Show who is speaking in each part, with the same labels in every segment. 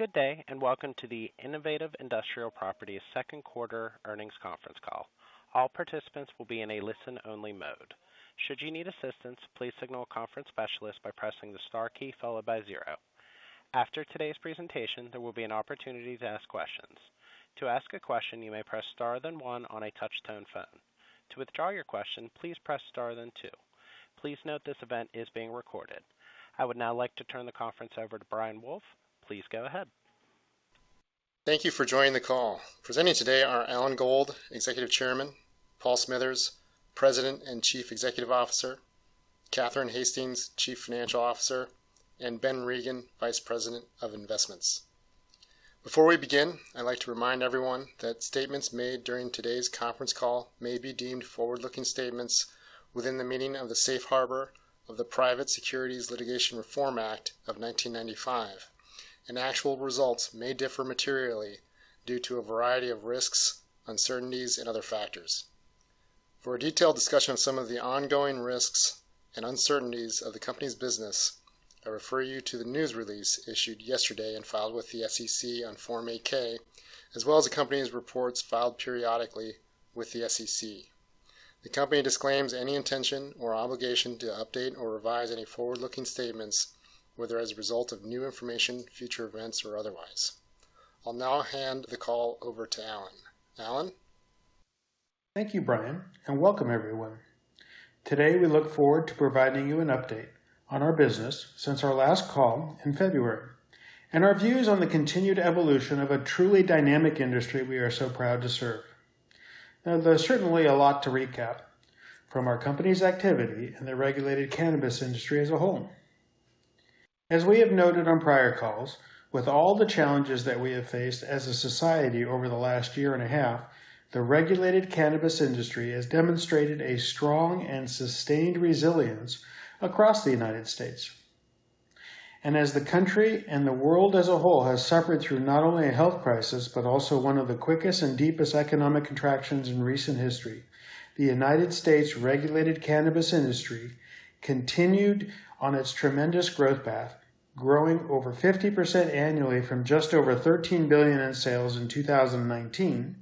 Speaker 1: Good day, and welcome to the Innovative Industrial Properties second quarter earnings conference call. All participants will be in a listen-only mode. Should you need assistance, please signal conference specialist by pressing star key followed by zero. After today's presentation, there will be an opportunity to ask questions. To ask a question, you may press star then one on a touchtone phone. To withdraw your question, please press star then two. Please note this event is being recorded. I would now like to turn the conference over to Brian Wolfe. Please go ahead.
Speaker 2: Thank you for joining the call. Presenting today are Alan Gold, Executive Chairman, Paul Smithers, President and Chief Executive Officer, Catherine Hastings, Chief Financial Officer, and Ben Regin, Vice President of Investments. Before we begin, I'd like to remind everyone that statements made during today's conference call may be deemed forward-looking statements within the meaning of the safe harbor of the Private Securities Litigation Reform Act of 1995, and actual results may differ materially due to a variety of risks, uncertainties, and other factors. For a detailed discussion of some of the ongoing risks and uncertainties of the company's business, I refer you to the news release issued yesterday and filed with the SEC on Form 8-K, as well as the company's reports filed periodically with the SEC. The company disclaims any intention or obligation to update or revise any forward-looking statements, whether as a result of new information, future events, or otherwise. I'll now hand the call over to Alan. Alan?
Speaker 3: Thank you, Brian, and welcome everyone. Today, we look forward to providing you an update on our business since our last call in February, and our views on the continued evolution of a truly dynamic industry we are so proud to serve. Now, there's certainly a lot to recap from our company's activity in the regulated cannabis industry as a whole. As we have noted on prior calls, with all the challenges that we have faced as a society over the last year and a half, the regulated cannabis industry has demonstrated a strong and sustained resilience across the United States. As the country and the world as a whole has suffered through not only a health crisis, but also one of the quickest and deepest economic contractions in recent history, the United States regulated cannabis industry continued on its tremendous growth path, growing over 50% annually from just over $13 billion in sales in 2019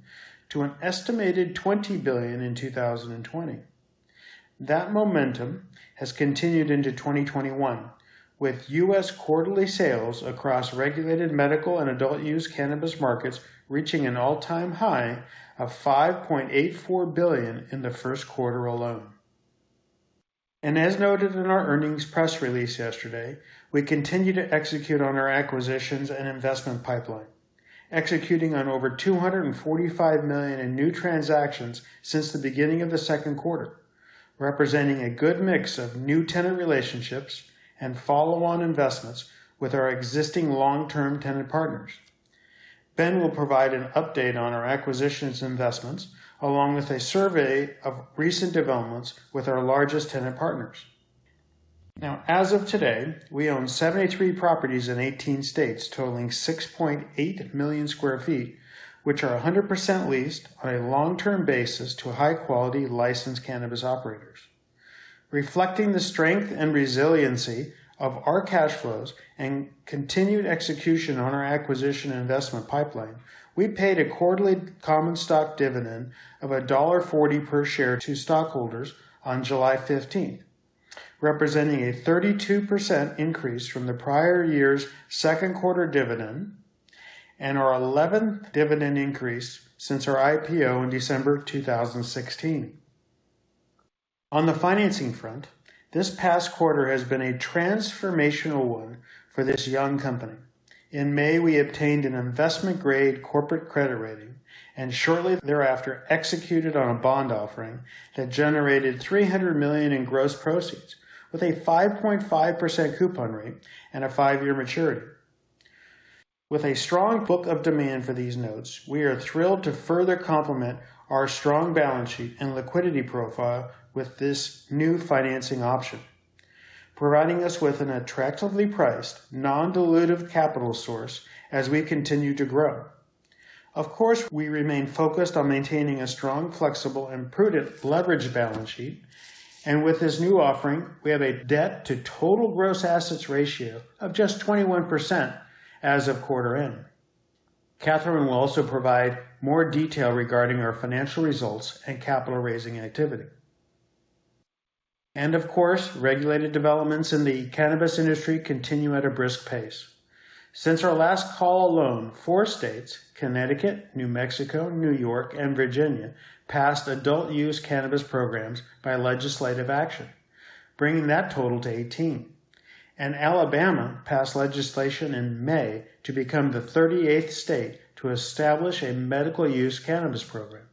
Speaker 3: to an estimated $20 billion in 2020. That momentum has continued into 2021, with U.S. quarterly sales across regulated medical and adult use cannabis markets reaching an all-time high of $5.84 billion in the first quarter alone. As noted in our earnings press release yesterday, we continue to execute on our acquisitions and investment pipeline, executing on over $245 million in new transactions since the beginning of the second quarter, representing a good mix of new tenant relationships and follow-on investments with our existing long-term tenant partners. Ben will provide an update on our acquisitions investments along with a survey of recent developments with our largest tenant partners. Now, as of today, we own 73 properties in 18 states totaling 6.8 million sq ft, which are 100% leased on a long-term basis to high-quality licensed cannabis operators. Reflecting the strength and resiliency of our cash flows and continued execution on our acquisition and investment pipeline, we paid a quarterly common stock dividend of $1.40 per share to stockholders on July 15, representing a 32% increase from the prior year's second quarter dividend and our 11th dividend increase since our IPO in December of 2016. On the financing front, this past quarter has been a transformational one for this young company. In May, we obtained an investment-grade corporate credit rating, and shortly thereafter, executed on a bond offering that generated $300 million in gross proceeds with a 5.5% coupon rate and a five-year maturity. With a strong book of demand for these notes, we are thrilled to further complement our strong balance sheet and liquidity profile with this new financing option, providing us with an attractively priced, non-dilutive capital source as we continue to grow. We remain focused on maintaining a strong, flexible, and prudent leverage balance sheet. With this new offering, we have a debt to total gross assets ratio of just 21% as of quarter end. Catherine will also provide more detail regarding our financial results and capital raising activity. Regulated developments in the cannabis industry continue at a brisk pace. Since our last call alone, four states, Connecticut, New Mexico, New York, and Virginia, passed adult use cannabis programs by legislative action, bringing that total to 18. Alabama passed legislation in May to become the 38th state to establish a medical use cannabis program.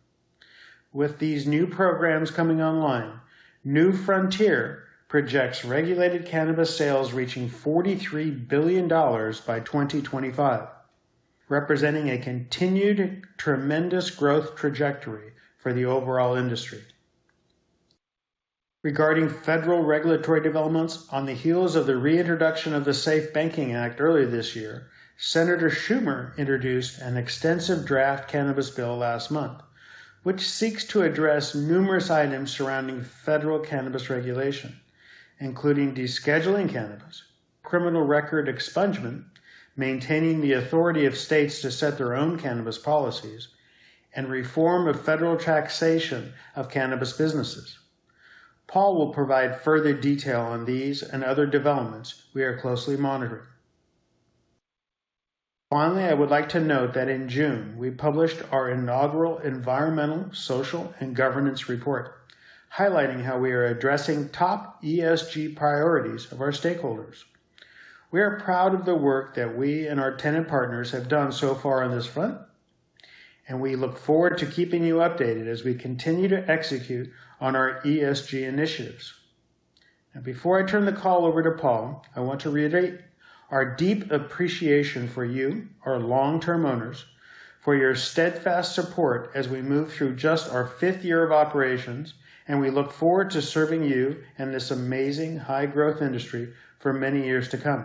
Speaker 3: With these new programs coming online, New Frontier projects regulated cannabis sales reaching $43 billion by 2025, representing a continued tremendous growth trajectory for the overall industry. Regarding federal regulatory developments, on the heels of the reintroduction of the SAFE Banking Act early this year, Senator Schumer introduced an extensive draft cannabis bill last month, which seeks to address numerous items surrounding federal cannabis regulation, including descheduling cannabis criminal record expungement, maintaining the authority of states to set their own cannabis policies, and reform of federal taxation of cannabis businesses. Paul will provide further detail on these and other developments we are closely monitoring. Finally, I would like to note that in June, we published our inaugural Environmental, Social, and Governance report, highlighting how we are addressing top ESG priorities of our stakeholders. We are proud of the work that we and our tenant partners have done so far on this front, and we look forward to keeping you updated as we continue to execute on our ESG initiatives. Before I turn the call over to Paul, I want to reiterate our deep appreciation for you, our long-term owners, for your steadfast support as we move through just our fifth year of operations, and we look forward to serving you in this amazing high-growth industry for many years to come.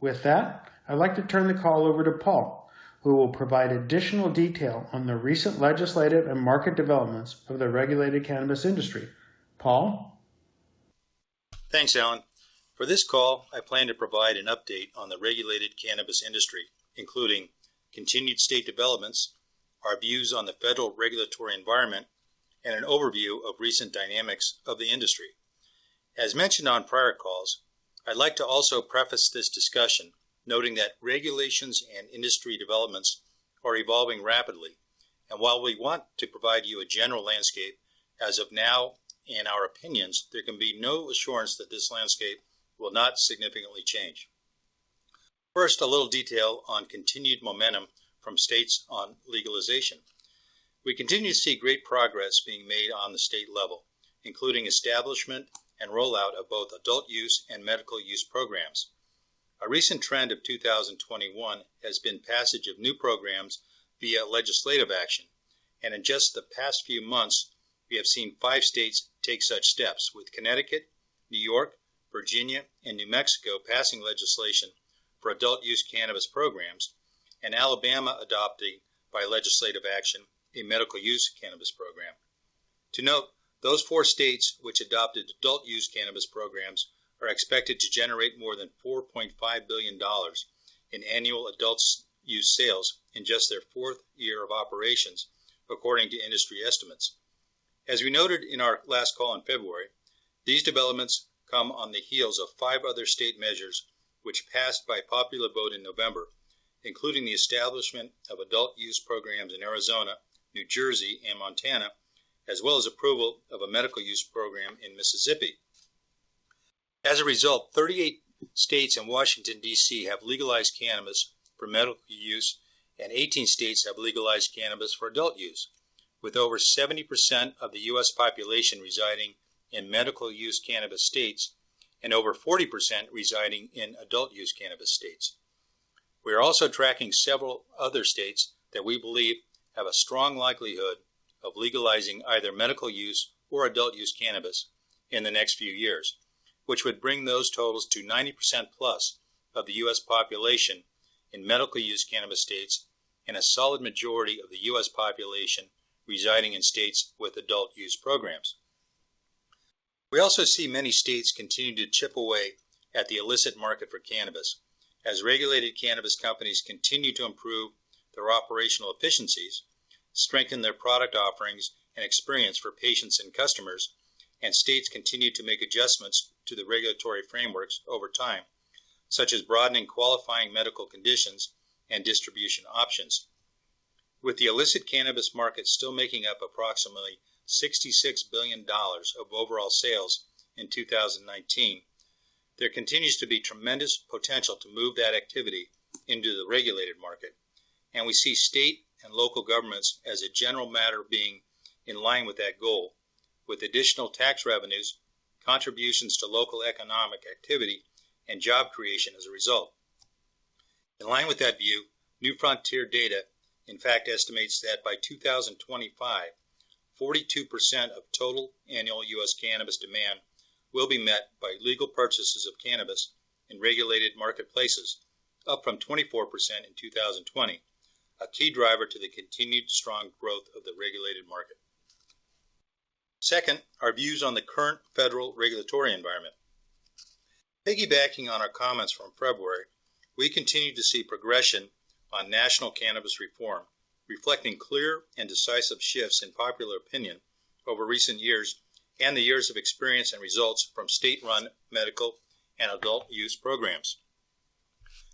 Speaker 3: With that, I'd like to turn the call over to Paul, who will provide additional detail on the recent legislative and market developments of the regulated cannabis industry. Paul?
Speaker 4: Thanks, Alan. For this call, I plan to provide an update on the regulated cannabis industry, including continued state developments, our views on the federal regulatory environment, and an overview of recent dynamics of the industry. As mentioned on prior calls, I'd like to also preface this discussion noting that regulations and industry developments are evolving rapidly, and while we want to provide you a general landscape, as of now, in our opinions, there can be no assurance that this landscape will not significantly change. First, a little detail on continued momentum from states on legalization. We continue to see great progress being made on the state level, including establishment and rollout of both adult-use and medical-use programs. A recent trend of 2021 has been passage of new programs via legislative action, and in just the past few months, we have seen five states take such steps with Connecticut, New York, Virginia, and New Mexico passing legislation for adult-use cannabis programs, and Alabama adopting, by legislative action, a medical use cannabis program. To note, those four states which adopted adult-use cannabis programs are expected to generate more than $4.5 billion in annual adult-use sales in just their fourth year of operations, according to industry estimates. As we noted in our last call in February, these developments come on the heels of five other state measures which passed by popular vote in November, including the establishment of adult-use programs in Arizona, New Jersey, and Montana, as well as approval of a medical-use program in Mississippi. As a result, 38 states and Washington, D.C., have legalized cannabis for medical use, and 18 states have legalized cannabis for adult use, with over 70% of the U.S. population residing in medical use cannabis states and over 40% residing in adult-use cannabis states. We are also tracking several other states that we believe have a strong likelihood of legalizing either medical use or adult-use cannabis in the next few years, which would bring those totals to 90%+ of the U.S. population in medical use cannabis states and a solid majority of the U.S. population residing in states with adult-use programs. We also see many states continuing to chip away at the illicit market for cannabis as regulated cannabis companies continue to improve their operational efficiencies, strengthen their product offerings and experience for patients and customers, and states continue to make adjustments to the regulatory frameworks over time, such as broadening qualifying medical conditions and distribution options. With the illicit cannabis market still making up approximately $66 billion of overall sales in 2019, there continues to be tremendous potential to move that activity into the regulated market, and we see state and local governments as a general matter being in line with that goal. With additional tax revenues, contributions to local economic activity, and job creation as a result. In line with that view, New Frontier Data in fact estimates that by 2025, 42% of total annual U.S. cannabis demand will be met by legal purchases of cannabis in regulated marketplaces, up from 24% in 2020. A key driver to the continued strong growth of the regulated market. Second, our views on the current federal regulatory environment. Piggybacking on our comments from February, we continue to see progression on national cannabis reform, reflecting clear and decisive shifts in popular opinion over recent years and the years of experience and results from state-run medical and adult-use programs.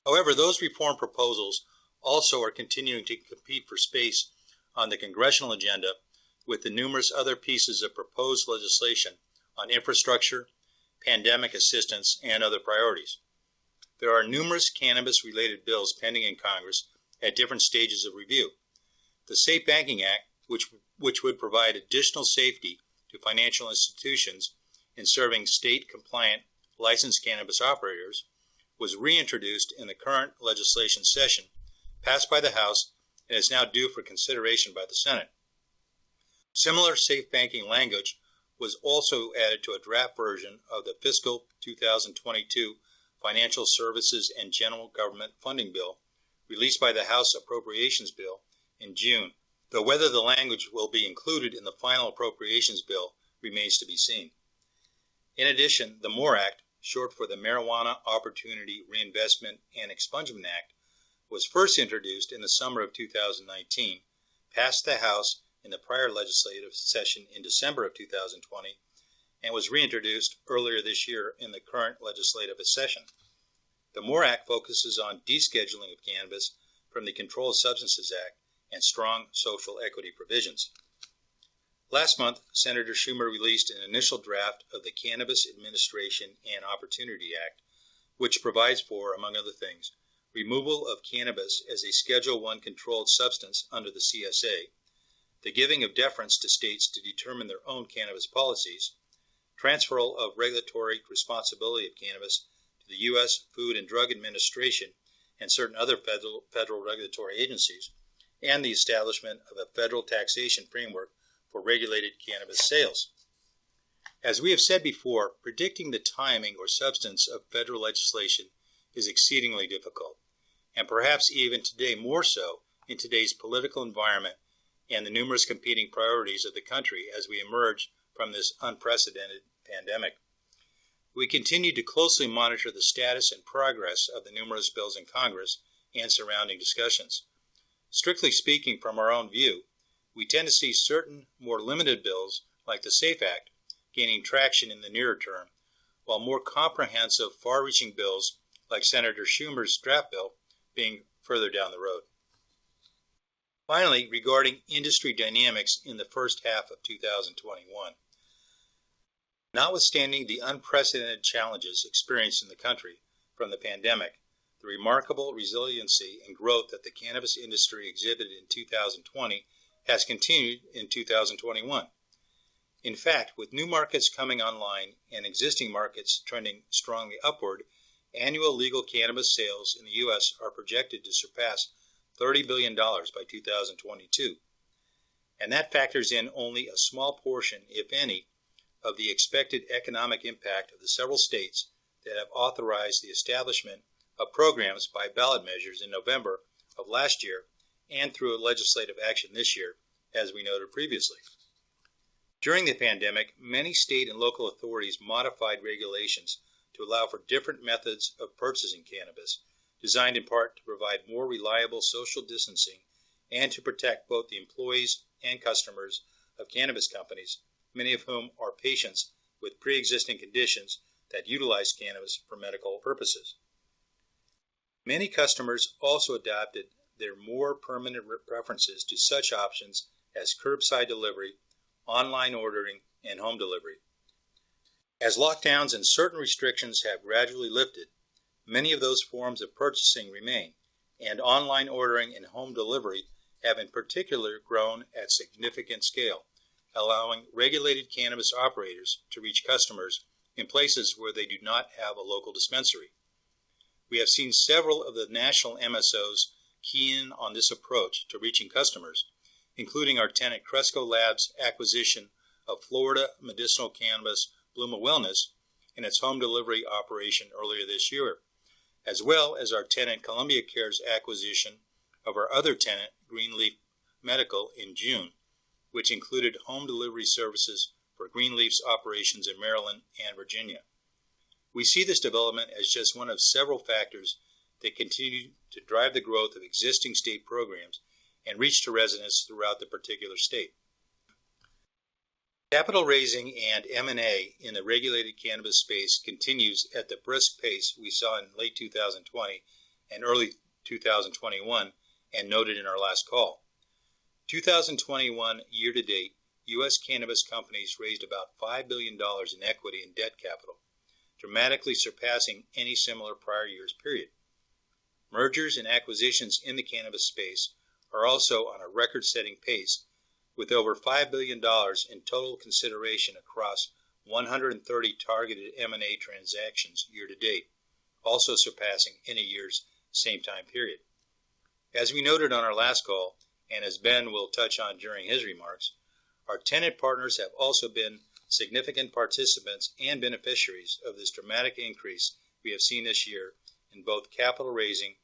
Speaker 4: However, those reform proposals also are continuing to compete for space on the congressional agenda with the numerous other pieces of proposed legislation on infrastructure, pandemic assistance, and other priorities. There are numerous cannabis-related bills pending in Congress at different stages of review. The SAFE Banking Act, which would provide additional safety to financial institutions in serving state-compliant licensed cannabis operators, was reintroduced in the current legislation session, passed by the House, and is now due for consideration by the Senate. Similar SAFE Banking language was also added to a draft version of the fiscal 2022 Financial Services and General Government funding bill released by the House Appropriations Bill in June, though whether the language will be included in the final appropriations bill remains to be seen. In addition, the MORE Act, short for the Marijuana Opportunity Reinvestment and Expungement Act, was first introduced in the summer of 2019, passed the House in the prior legislative session in December of 2020, and was reintroduced earlier this year in the current legislative session. The MORE Act focuses on descheduling of cannabis from the Controlled Substances Act and strong social equity provisions. Last month, Senator Schumer released an initial draft of the Cannabis Administration and Opportunity Act, which provides for, among other things, removal of cannabis as a Schedule I controlled substance under the CSA, the giving of deference to states to determine their own cannabis policies, transferal of regulatory responsibility of cannabis to the U.S. Food and Drug Administration and certain other federal regulatory agencies, and the establishment of a federal taxation framework for regulated cannabis sales. As we have said before, predicting the timing or substance of federal legislation is exceedingly difficult, and perhaps even today more so in today's political environment and the numerous competing priorities of the country as we emerge from this unprecedented pandemic. We continue to closely monitor the status and progress of the numerous bills in Congress and surrounding discussions. Strictly speaking from our own view, we tend to see certain more limited bills, like the SAFE Act, gaining traction in the nearer term, while more comprehensive far-reaching bills like Senator Schumer's draft bill being further down the road. Regarding industry dynamics in the first half of 2021. Notwithstanding the unprecedented challenges experienced in the country from the pandemic, the remarkable resiliency and growth that the cannabis industry exhibited in 2020 has continued in 2021. With new markets coming online and existing markets trending strongly upward, annual legal cannabis sales in the U.S. are projected to surpass $30 billion by 2022. That factors in only a small portion, if any, of the expected economic impact of the several states that have authorized the establishment of programs by ballot measures in November of last year and through legislative action this year, as we noted previously. During the pandemic, many state and local authorities modified regulations to allow for different methods of purchasing cannabis, designed in part to provide more reliable social distancing and to protect both the employees and customers of cannabis companies, many of whom are patients with preexisting conditions that utilize cannabis for medical purposes. Many customers also adopted their more permanent preferences to such options as curbside delivery, online ordering, and home delivery. As lockdowns and certain restrictions have gradually lifted, many of those forms of purchasing remain, and online ordering and home delivery have in particular grown at significant scale, allowing regulated cannabis operators to reach customers in places where they do not have a local dispensary. We have seen several of the national MSOs key in on this approach to reaching customers, including our tenant Cresco Labs' acquisition of Florida medicinal cannabis Bluma Wellness and its home delivery operation earlier this year, as well as our tenant Columbia Care's acquisition of our other tenant, Green Leaf Medical, in June, which included home delivery services for Green Leaf's operations in Maryland and Virginia. We see this development as just one of several factors that continue to drive the growth of existing state programs and reach to residents throughout the particular state. Capital raising and M&A in the regulated cannabis space continues at the brisk pace we saw in late 2020 and early 2021 and noted in our last call. 2021 year to date, U.S. cannabis companies raised about $5 billion in equity and debt capital, dramatically surpassing any similar prior years period. Mergers and acquisitions in the cannabis space are also on a record-setting pace, with over $5 billion in total consideration across 130 targeted M&A transactions year to date, also surpassing any year's same time period. As we noted on our last call, and as Ben will touch on during his remarks, our tenant partners have also been significant participants and beneficiaries of this dramatic increase we have seen this year in both capital raising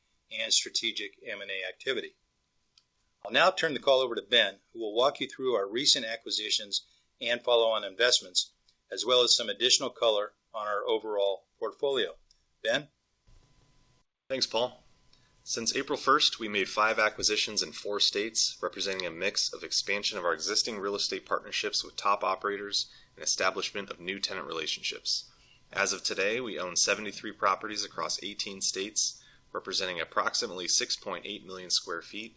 Speaker 4: and strategic M&A activity. I'll now turn the call over to Ben, who will walk you through our recent acquisitions and follow-on investments, as well as some additional color on our overall portfolio. Ben?
Speaker 5: Thanks, Paul. Since April 1st, we made five acquisitions in four states, representing a mix of expansion of our existing real estate partnerships with top operators and establishment of new tenant relationships. As of today, we own 73 properties across 18 states, representing approximately 6.8 million sq ft,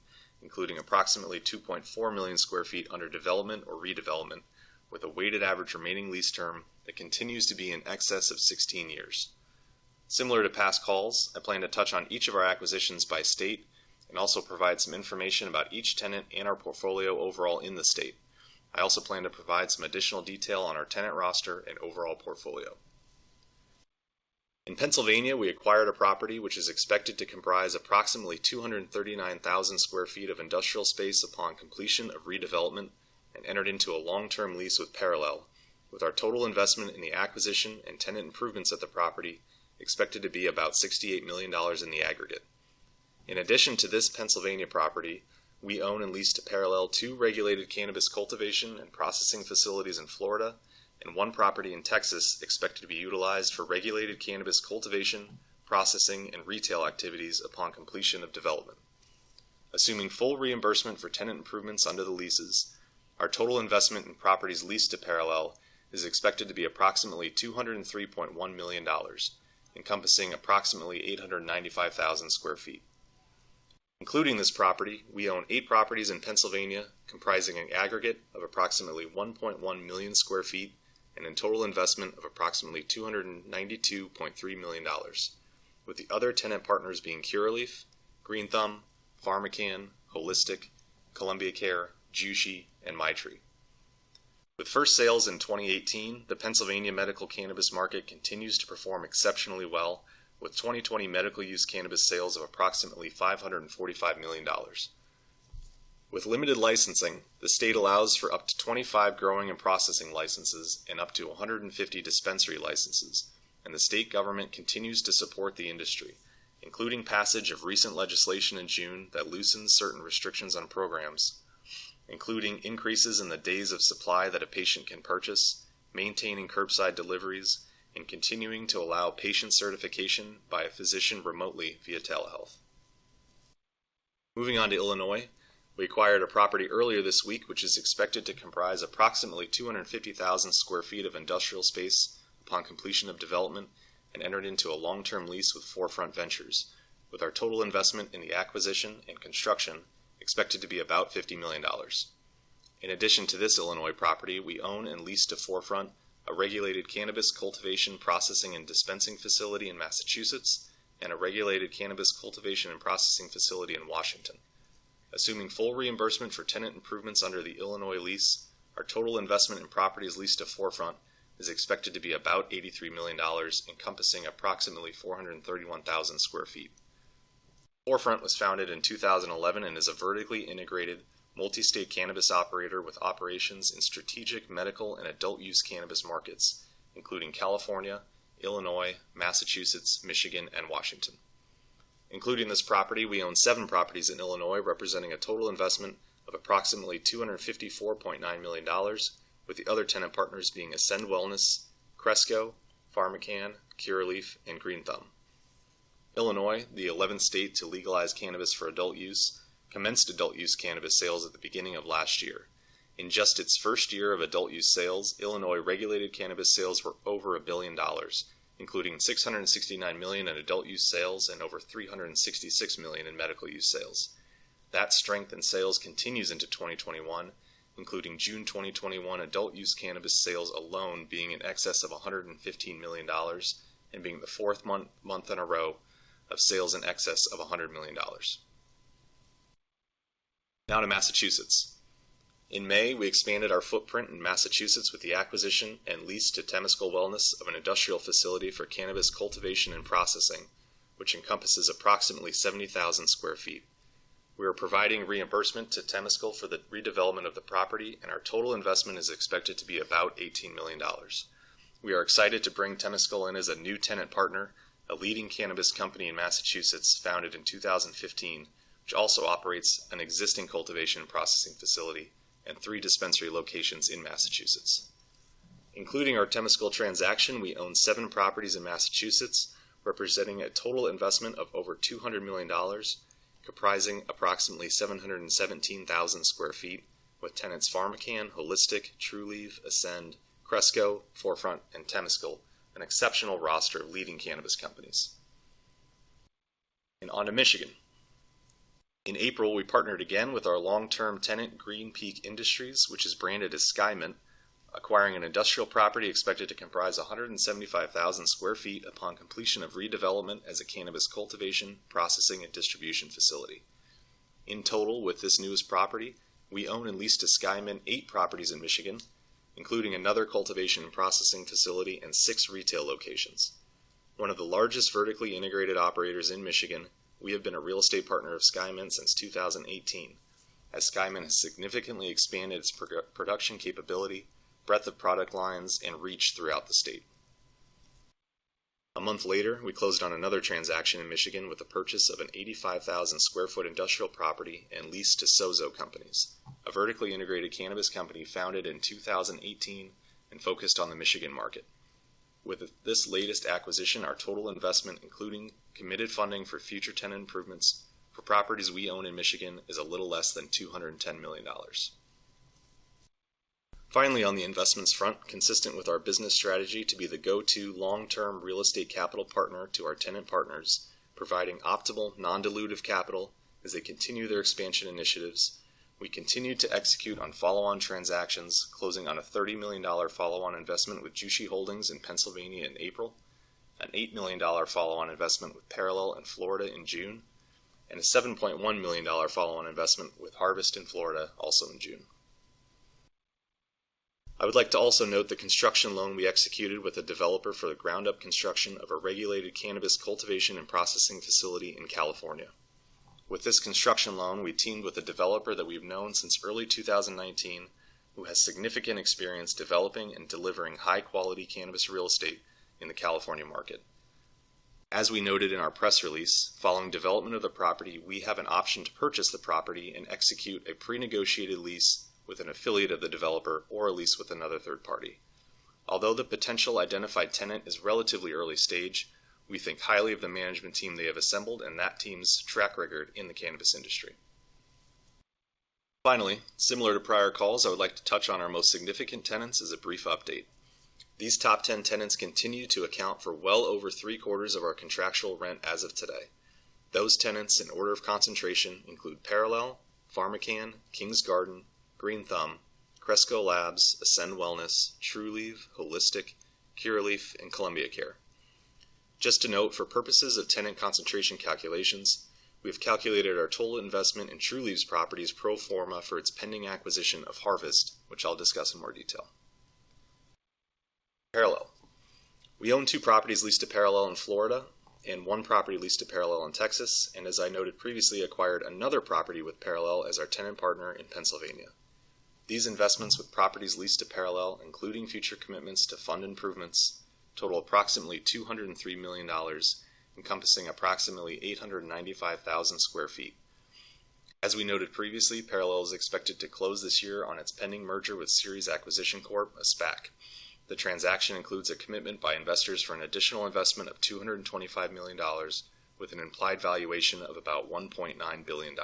Speaker 5: including approximately 2.4 million sq ft under development or redevelopment, with a weighted average remaining lease term that continues to be in excess of 16 years. Similar to past calls, I plan to touch on each of our acquisitions by state and also provide some information about each tenant and our portfolio overall in the state. I also plan to provide some additional detail on our tenant roster and overall portfolio. In Pennsylvania, we acquired a property which is expected to comprise approximately 239,000 sq ft of industrial space upon completion of redevelopment. Entered into a long-term lease with Parallel, with our total investment in the acquisition and tenant improvements at the property expected to be about $68 million in the aggregate. In addition to this Pennsylvania property, we own and lease to Parallel two regulated cannabis cultivation and processing facilities in Florida and one property in Texas expected to be utilized for regulated cannabis cultivation, processing, and retail activities upon completion of development. Assuming full reimbursement for tenant improvements under the leases, our total investment in properties leased to Parallel is expected to be approximately $203.1 million, encompassing approximately 895,000 sq ft. Including this property, we own eight properties in Pennsylvania, comprising an aggregate of approximately 1.1 million sq ft and a total investment of approximately $292.3 million. With the other tenant partners being Curaleaf, Green Thumb, PharmaCann, Holistic, Columbia Care, Jushi, and Maitri. With first sales in 2018, the Pennsylvania medical cannabis market continues to perform exceptionally well, with 2020 medical-use cannabis sales of approximately $545 million. With limited licensing, the state allows for up to 25 growing and processing licenses and up to 150 dispensary licenses. The state government continues to support the industry, including passage of recent legislation in June that loosens certain restrictions on programs, including increases in the days of supply that a patient can purchase, maintaining curbside deliveries, and continuing to allow patient certification by a physician remotely via telehealth. Moving on to Illinois, we acquired a property earlier this week, which is expected to comprise approximately 250,000 sq ft of industrial space upon completion of development and entered into a long-term lease with 4Front Ventures, with our total investment in the acquisition and construction expected to be about $50 million. In addition to this Illinois property, we own and lease to 4Front a regulated cannabis cultivation, processing, and dispensing facility in Massachusetts and a regulated cannabis cultivation and processing facility in Washington. Assuming full reimbursement for tenant improvements under the Illinois lease, our total investment in properties leased to 4Front is expected to be about $83 million, encompassing approximately 431,000 sq ft. 4Front was founded in 2011 and is a vertically integrated, multi-state cannabis operator with operations in strategic medical and adult-use cannabis markets, including California, Illinois, Massachusetts, Michigan, and Washington. Including this property, we own seven properties in Illinois, representing a total investment of approximately $254.9 million, with the other tenant partners being Ascend Wellness, Cresco, PharmaCann, Curaleaf, and Green Thumb. Illinois, the 11th state to legalize cannabis for adult use, commenced adult-use cannabis sales at the beginning of last year. In just its first year of adult-use sales, Illinois regulated cannabis sales were over $1 billion, including $669 million in adult-use sales and over $366 million in medical-use sales. That strength in sales continues into 2021, including June 2021 adult-use cannabis sales alone being in excess of $115 million and being the fourth month in a row of sales in excess of $100 million. Now to Massachusetts. In May, we expanded our footprint in Massachusetts with the acquisition and lease to Temescal Wellness of an industrial facility for cannabis cultivation and processing, which encompasses approximately 70,000 sq ft. We are providing reimbursement to Temescal for the redevelopment of the property, and our total investment is expected to be about $18 million. We are excited to bring Temescal in as a new tenant partner, a leading cannabis company in Massachusetts founded in 2015, which also operates an existing cultivation and processing facility and three dispensary locations in Massachusetts. Including our Temescal transaction, we own seven properties in Massachusetts, representing a total investment of over $200 million, comprising approximately 717,000 sq ft, with tenants PharmaCann, Holistic, Trulieve, Ascend, Cresco, 4Front, and Temescal, an exceptional roster of leading cannabis companies. On to Michigan. In April, we partnered again with our long-term tenant, Green Peak Industries, which is branded as SKYMINT, acquiring an industrial property expected to comprise 175,000 sq ft upon completion of redevelopment as a cannabis cultivation, processing, and distribution facility. In total, with this newest property, we own and lease to SKYMINT eihgt properties in Michigan, including another cultivation and processing facility and six retail locations. One of the largest vertically integrated operators in Michigan, we have been a real estate partner of SKYMINT since 2018, as SKYMINT has significantly expanded its production capability, breadth of product lines, and reach throughout the state. A month later, we closed on another transaction in Michigan with the purchase of an 85,000 sq ft industrial property and lease to Sozo Companies, a vertically integrated cannabis company founded in 2018 and focused on the Michigan market. With this latest acquisition, our total investment, including committed funding for future tenant improvements for properties we own in Michigan, is a little less than $210 million. Finally, on the investments front, consistent with our business strategy to be the go-to long-term real estate capital partner to our tenant partners, providing optimal non-dilutive capital as they continue their expansion initiatives. We continued to execute on follow-on transactions, closing on a $30 million follow-on investment with Jushi Holdings in Pennsylvania in April, an $8 million follow-on investment with Parallel in Florida in June, and a $7.1 million follow-on investment with Harvest in Florida also in June. I would like to also note the construction loan we executed with a developer for the ground-up construction of a regulated cannabis cultivation and processing facility in California. With this construction loan, we teamed with a developer that we've known since early 2019, who has significant experience developing and delivering high-quality cannabis real estate in the California market. As we noted in our press release, following development of the property, we have an option to purchase the property and execute a prenegotiated lease with an affiliate of the developer, or a lease with another third party. Although the potential identified tenant is relatively early stage, we think highly of the management team they have assembled and that team's track record in the cannabis industry. Finally, similar to prior calls, I would like to touch on our most significant tenants as a brief update. These top 10 tenants continue to account for well over three-quarters of our contractual rent as of today. Those tenants, in order of concentration, include Parallel, PharmaCann, Kings Garden, Green Thumb, Cresco Labs, Ascend Wellness, Trulieve, Holistic, Curaleaf, and Columbia Care. Just to note, for purposes of tenant concentration calculations, we've calculated our total investment in Trulieve's properties pro forma for its pending acquisition of Harvest, which I'll discuss in more detail. Parallel. We own two properties leased to Parallel in Florida and one property leased to Parallel in Texas and, as I noted previously, acquired another property with Parallel as our tenant partner in Pennsylvania. These investments with properties leased to Parallel, including future commitments to fund improvements, total approximately $203 million, encompassing approximately 895,000 sq ft. As we noted previously, Parallel is expected to close this year on its pending merger with Ceres Acquisition Corp., a SPAC. The transaction includes a commitment by investors for an additional investment of $225 million, with an implied valuation of about $1.9 billion.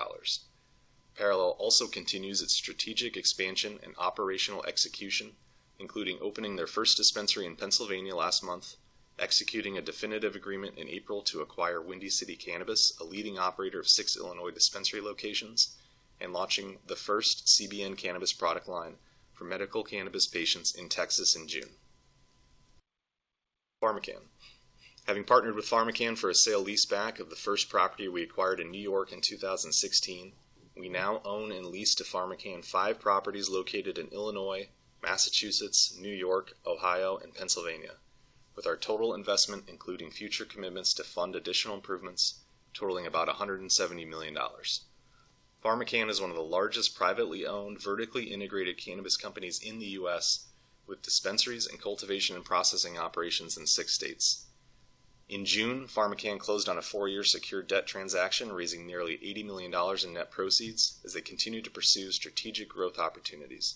Speaker 5: Parallel also continues its strategic expansion and operational execution, including opening their first dispensary in Pennsylvania last month, executing a definitive agreement in April to acquire Windy City Cannabis, a leading operator of six Illinois dispensary locations, and launching the first CBN cannabis product line for medical cannabis patients in Texas in June. PharmaCann. Having partnered with PharmaCann for a sale-leaseback of the first property we acquired in New York in 2016, we now own and lease to PharmaCann five properties located in Illinois, Massachusetts, New York, Ohio, and Pennsylvania, with our total investment, including future commitments to fund additional improvements, totaling about $170 million. PharmaCann is one of the largest privately owned, vertically integrated cannabis companies in the U.S., with dispensaries and cultivation and processing operations in six states. In June, PharmaCann closed on a four-year secure debt transaction, raising nearly $80 million in net proceeds as they continue to pursue strategic growth opportunities.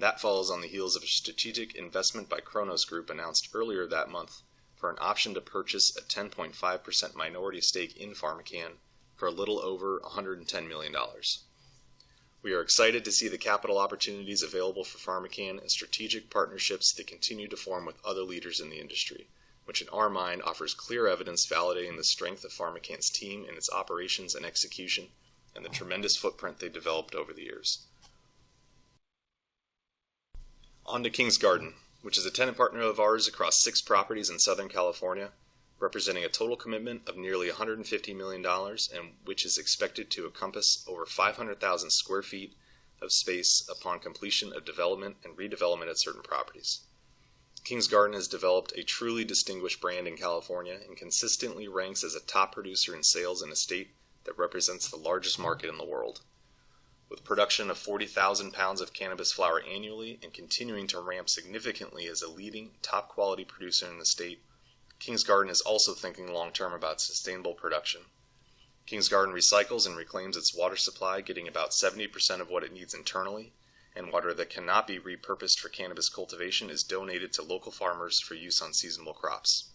Speaker 5: That follows on the heels of a strategic investment by Cronos Group, announced earlier that month, for an option to purchase a 10.5% minority stake in PharmaCann for a little over $110 million. We are excited to see the capital opportunities available for PharmaCann and strategic partnerships they continue to form with other leaders in the industry, which in our mind offers clear evidence validating the strength of PharmaCann's team and its operations and execution, and the tremendous footprint they've developed over the years. On to Kings Garden, which is a tenant partner of ours across six properties in Southern California, representing a total commitment of nearly $150 million and which is expected to encompass over 500,000 sq ft of space upon completion of development and redevelopment of certain properties. Kings Garden has developed a truly distinguished brand in California and consistently ranks as a top producer in sales in a state that represents the largest market in the world. With production of 40,000 lbs of cannabis flower annually and continuing to ramp significantly as a leading top-quality producer in the state, Kings Garden is also thinking long term about sustainable production. Kings Garden recycles and reclaims its water supply, getting about 70% of what it needs internally, and water that cannot be repurposed for cannabis cultivation is donated to local farmers for use on seasonal crops.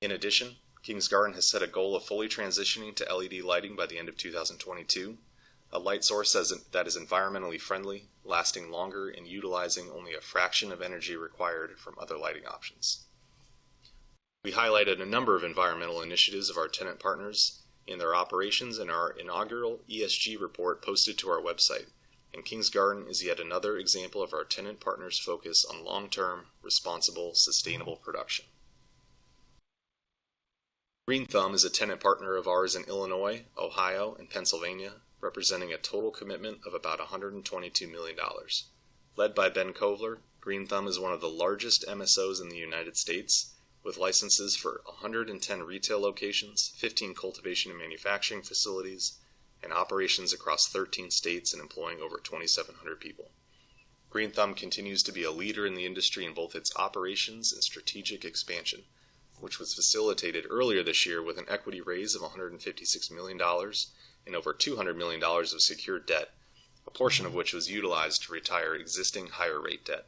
Speaker 5: In addition, Kings Garden has set a goal of fully transitioning to LED lighting by the end of 2022, a light source that is environmentally friendly, lasting longer, and utilizing only a fraction of energy required from other lighting options. We highlighted a number of environmental initiatives of our tenant partners in their operations in our inaugural ESG report posted to our website. Kings Garden is yet another example of our tenant partners' focus on long-term, responsible, sustainable production. Green Thumb is a tenant partner of ours in Illinois, Ohio, and Pennsylvania, representing a total commitment of about $122 million. Led by Ben Kovler, Green Thumb is one of the largest MSOs in the United States, with licenses for 110 retail locations, 15 cultivation and manufacturing facilities, and operations across 13 states and employing over 2,700 people. Green Thumb continues to be a leader in the industry in both its operations and strategic expansion, which was facilitated earlier this year with an equity raise of $156 million and over $200 million of secured debt, a portion of which was utilized to retire existing higher rate debt.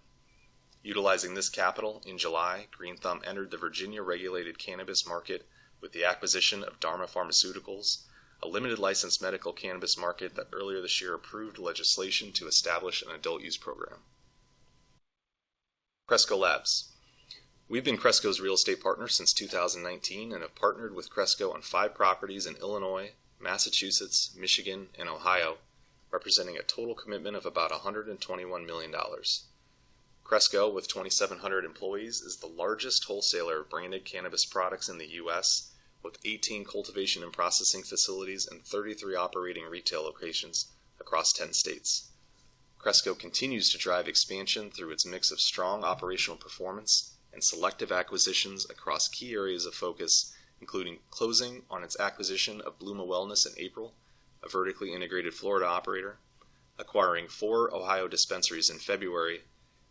Speaker 5: Utilizing this capital, in July, Green Thumb entered the Virginia regulated cannabis market with the acquisition of Dharma Pharmaceuticals, a limited license medical cannabis market that earlier this year approved legislation to establish an adult-use program. Cresco Labs. We've been Cresco's real estate partner since 2019 and have partnered with Cresco on five properties in Illinois, Massachusetts, Michigan, and Ohio, representing a total commitment of about $121 million. Cresco, with 2,700 employees, is the largest wholesaler of branded cannabis products in the U.S., with 18 cultivation and processing facilities and 33 operating retail locations across 10 states. Cresco continues to drive expansion through its mix of strong operational performance and selective acquisitions across key areas of focus, including closing on its acquisition of Bluma Wellness in April, a vertically integrated Florida operator, acquiring four Ohio dispensaries in February,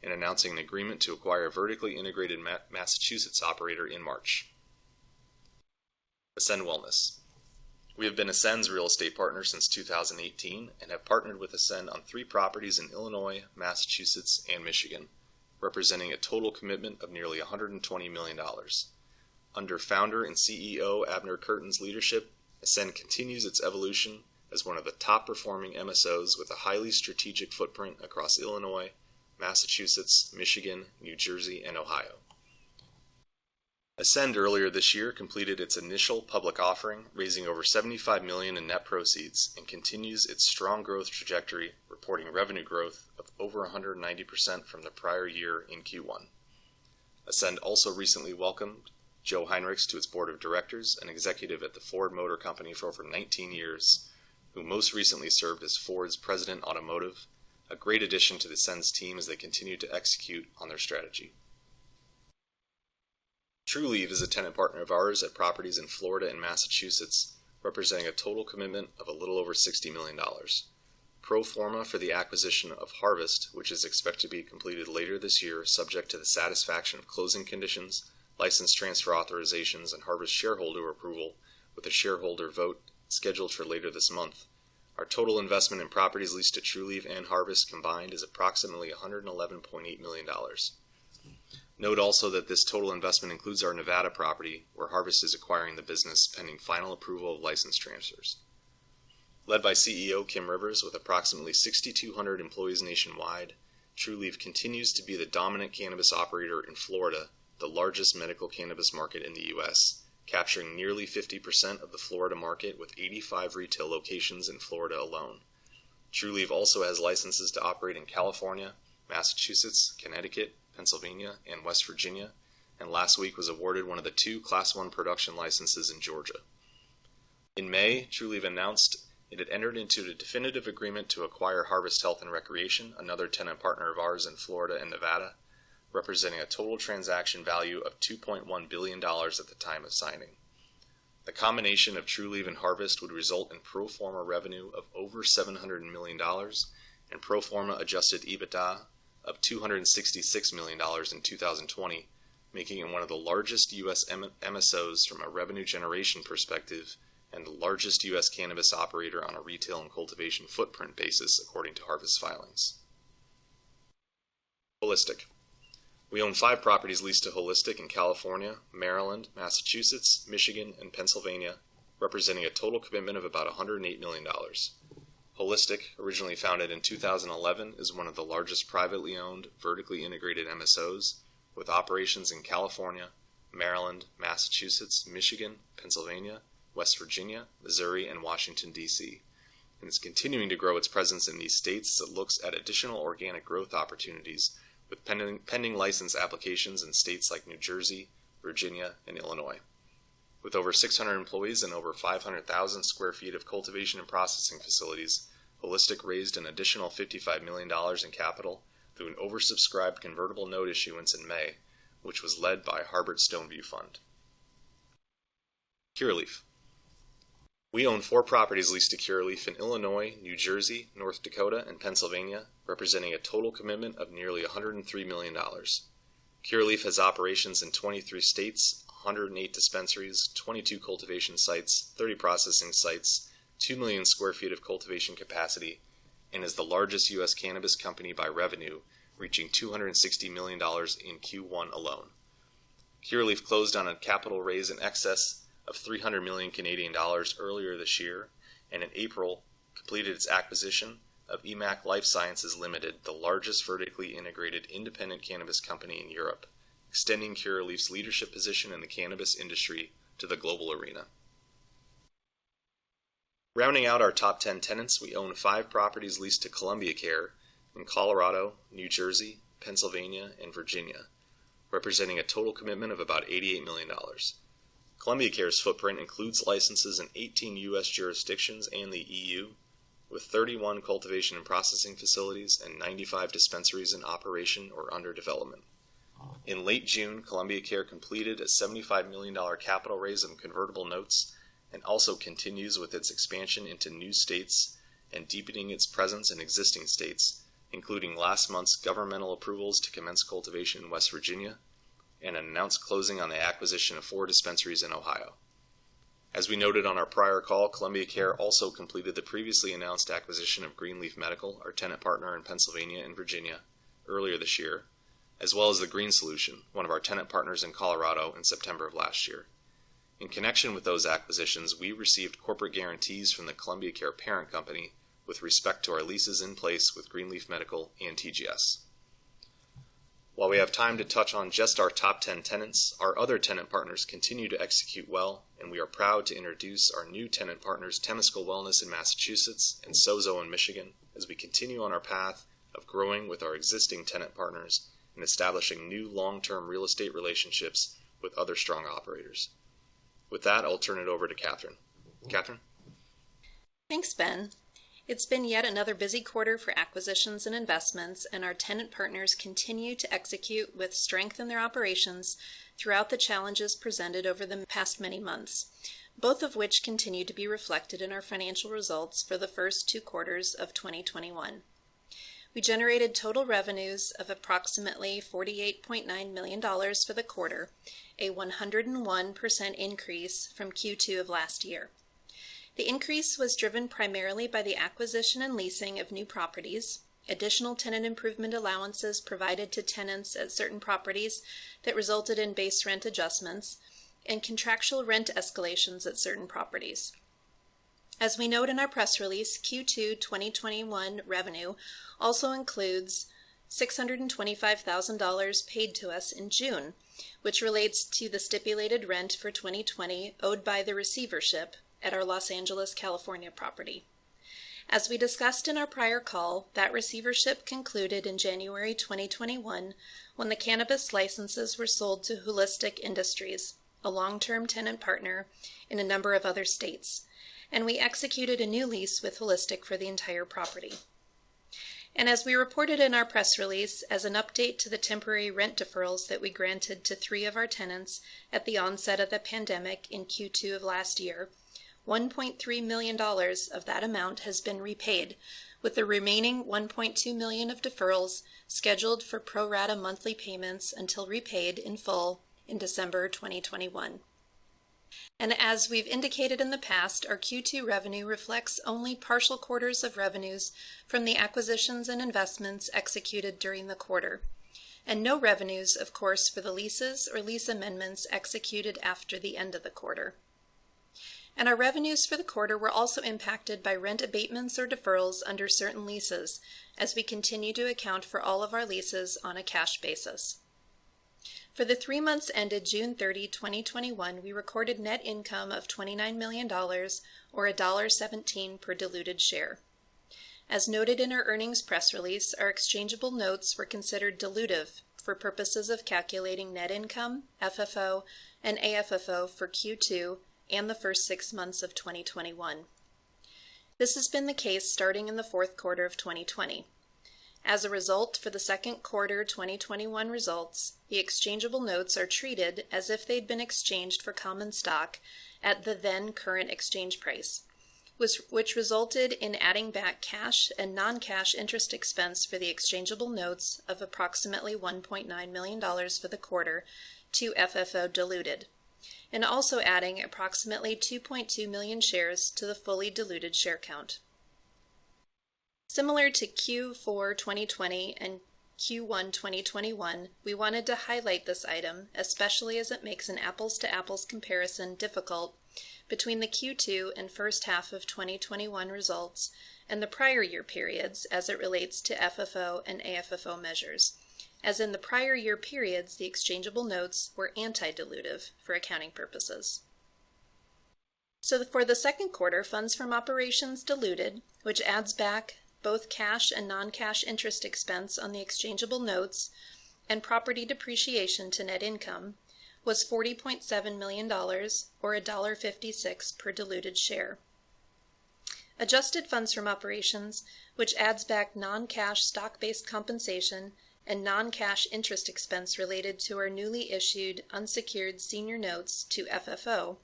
Speaker 5: and announcing an agreement to acquire a vertically integrated Massachusetts operator in March. Ascend Wellness. We have been Ascend's real estate partner since 2018 and have partnered with Ascend on three properties in Illinois, Massachusetts, and Michigan, representing a total commitment of nearly $120 million. Under Founder and CEO Abner Kurtin's leadership, Ascend continues its evolution as one of the top-performing MSOs with a highly strategic footprint across Illinois, Massachusetts, Michigan, New Jersey, and Ohio. Ascend earlier this year completed its initial public offering, raising over $75 million in net proceeds and continues its strong growth trajectory, reporting revenue growth of over 190% from the prior year in Q1. Ascend also recently welcomed Joe Hinrichs to its Board of Directors, an executive at the Ford Motor Company for over 19 years, who most recently served as Ford's President, Automotive, a great addition to Ascend's team as they continue to execute on their strategy. Trulieve is a tenant partner of ours at properties in Florida and Massachusetts, representing a total commitment of a little over $60 million. Pro forma for the acquisition of Harvest, which is expected to be completed later this year, subject to the satisfaction of closing conditions, license transfer authorizations, and Harvest shareholder approval, with a shareholder vote scheduled for later this month. Our total investment in properties leased to Trulieve and Harvest combined is approximately $111.8 million. Note also that this total investment includes our Nevada property, where Harvest is acquiring the business, pending final approval of license transfers. Led by CEO Kim Rivers with approximately 6,200 employees nationwide, Trulieve continues to be the dominant cannabis operator in Florida, the largest medical cannabis market in the U.S., capturing nearly 50% of the Florida market with 85 retail locations in Florida alone. Trulieve also has licenses to operate in California, Massachusetts, Connecticut, Pennsylvania, and West Virginia, and last week was awarded one of the two Class 1 production licenses in Georgia. In May, Trulieve announced it had entered into the definitive agreement to acquire Harvest Health & Recreation, another tenant partner of ours in Florida and Nevada, representing a total transaction value of $2.1 billion at the time of signing. The combination of Trulieve and Harvest would result in pro forma revenue of over $700 million and pro forma adjusted EBITDA of $266 million in 2020, making it one of the largest U.S. MSOs from a revenue generation perspective and the largest U.S. cannabis operator on a retail and cultivation footprint basis, according to Harvest filings. Holistic. We own five properties leased to Holistic in California, Maryland, Massachusetts, Michigan, and Pennsylvania, representing a total commitment of about $108 million. Holistic, originally founded in 2011, is one of the largest privately owned, vertically integrated MSOs, with operations in California, Maryland, Massachusetts, Michigan, Pennsylvania, West Virginia, Missouri, and Washington, D.C., and is continuing to grow its presence in these states as it looks at additional organic growth opportunities with pending license applications in states like New Jersey, Virginia, and Illinois. With over 600 employees and over 500,000 sq ft of cultivation and processing facilities, Holistic raised an additional $55 million in capital through an oversubscribed convertible note issuance in May, which was led by Harbert Stoneview Fund. Curaleaf. We own four properties leased to Curaleaf in Illinois, New Jersey, North Dakota, and Pennsylvania, representing a total commitment of nearly $103 million. Curaleaf has operations in 23 states, 108 dispensaries, 22 cultivation sites, 30 processing sites, 2 million sq ft of cultivation capacity, and is the largest U.S. cannabis company by revenue, reaching $260 million in Q1 alone. Curaleaf closed on a capital raise in excess of 300 million Canadian dollars earlier this year, and in April, completed its acquisition of EMMAC Life Sciences Limited, the largest vertically integrated independent cannabis company in Europe, extending Curaleaf's leadership position in the cannabis industry to the global arena. Rounding out our top 10 tenants, we own five properties leased to Columbia Care in Colorado, New Jersey, Pennsylvania, and Virginia, representing a total commitment of about $88 million. Columbia Care's footprint includes licenses in 18 U.S. jurisdictions and the EU, with 31 cultivation and processing facilities and 95 dispensaries in operation or under development. In late June, Columbia Care completed a $75 million capital raise on convertible notes and also continues with its expansion into new states and deepening its presence in existing states, including last month's governmental approvals to commence cultivation in West Virginia and announced closing on the acquisition of four dispensaries in Ohio. As we noted on our prior call, Columbia Care also completed the previously announced acquisition of Green Leaf Medical, our tenant partner in Pennsylvania and Virginia earlier this year, as well as The Green Solution, one of our tenant partners in Colorado in September of last year. In connection with those acquisitions, we received corporate guarantees from the Columbia Care parent company with respect to our leases in place with Green Leaf Medical and TGS. While we have time to touch on just our top 10 tenants, our other tenant partners continue to execute well, and we are proud to introduce our new tenant partners, Temescal Wellness in Massachusetts and Sozo in Michigan, as we continue on our path of growing with our existing tenant partners and establishing new long-term real estate relationships with other strong operators. With that, I'll turn it over to Catherine. Catherine?
Speaker 6: Thanks, Ben. It's been yet another busy quarter for acquisitions and investments, and our tenant partners continue to execute with strength in their operations throughout the challenges presented over the past many months, both of which continue to be reflected in our financial results for the first two quarters of 2021. We generated total revenues of approximately $48.9 million for the quarter, a 101% increase from Q2 of last year. The increase was driven primarily by the acquisition and leasing of new properties, additional tenant improvement allowances provided to tenants at certain properties that resulted in base rent adjustments, and contractual rent escalations at certain properties. As we note in our press release, Q2 2021 revenue also includes $625,000 paid to us in June, which relates to the stipulated rent for 2020 owed by the receivership at our Los Angeles, California property. As we discussed in our prior call, that receivership concluded in January 2021 when the cannabis licenses were sold to Holistic Industries, a long-term tenant partner in a number of other states, we executed a new lease with Holistic for the entire property. As we reported in our press release, as an update to the temporary rent deferrals that we granted to three of our tenants at the onset of the pandemic in Q2 of last year, $1.3 million of that amount has been repaid, with the remaining $1.2 million of deferrals scheduled for pro rata monthly payments until repaid in full in December 2021. As we've indicated in the past, our Q2 revenue reflects only partial quarters of revenues from the acquisitions and investments executed during the quarter, no revenues, of course, for the leases or lease amendments executed after the end of the quarter. Our revenues for the quarter were also impacted by rent abatements or deferrals under certain leases, as we continue to account for all of our leases on a cash basis. For the three months ended June 30, 2021, we recorded net income of $29 million, or $1.17 per diluted share. As noted in our earnings press release, our exchangeable notes were considered dilutive for purposes of calculating net income, FFO, and AFFO for Q2 and the first six months of 2021. This has been the case starting in the fourth quarter of 2020. As a result, for the second quarter 2021 results, the exchangeable notes are treated as if they'd been exchanged for common stock at the then current exchange price, which resulted in adding back cash and non-cash interest expense for the exchangeable notes of approximately $1.9 million for the quarter to FFO diluted, and also adding approximately 2.2 million shares to the fully diluted share count. Similar to Q4 2020 and Q1 2021, we wanted to highlight this item, especially as it makes an apples-to-apples comparison difficult between the Q2 and first half of 2021 results and the prior year periods as it relates to FFO and AFFO measures. As in the prior year periods, the exchangeable notes were anti-dilutive for accounting purposes. For the second quarter, funds from operations diluted, which adds back both cash and non-cash interest expense on the exchangeable notes and property depreciation to net income was $40.7 million, or $1.56 per diluted share. Adjusted funds from operations, which adds back non-cash stock-based compensation and non-cash interest expense related to our newly issued unsecured senior notes to FFO,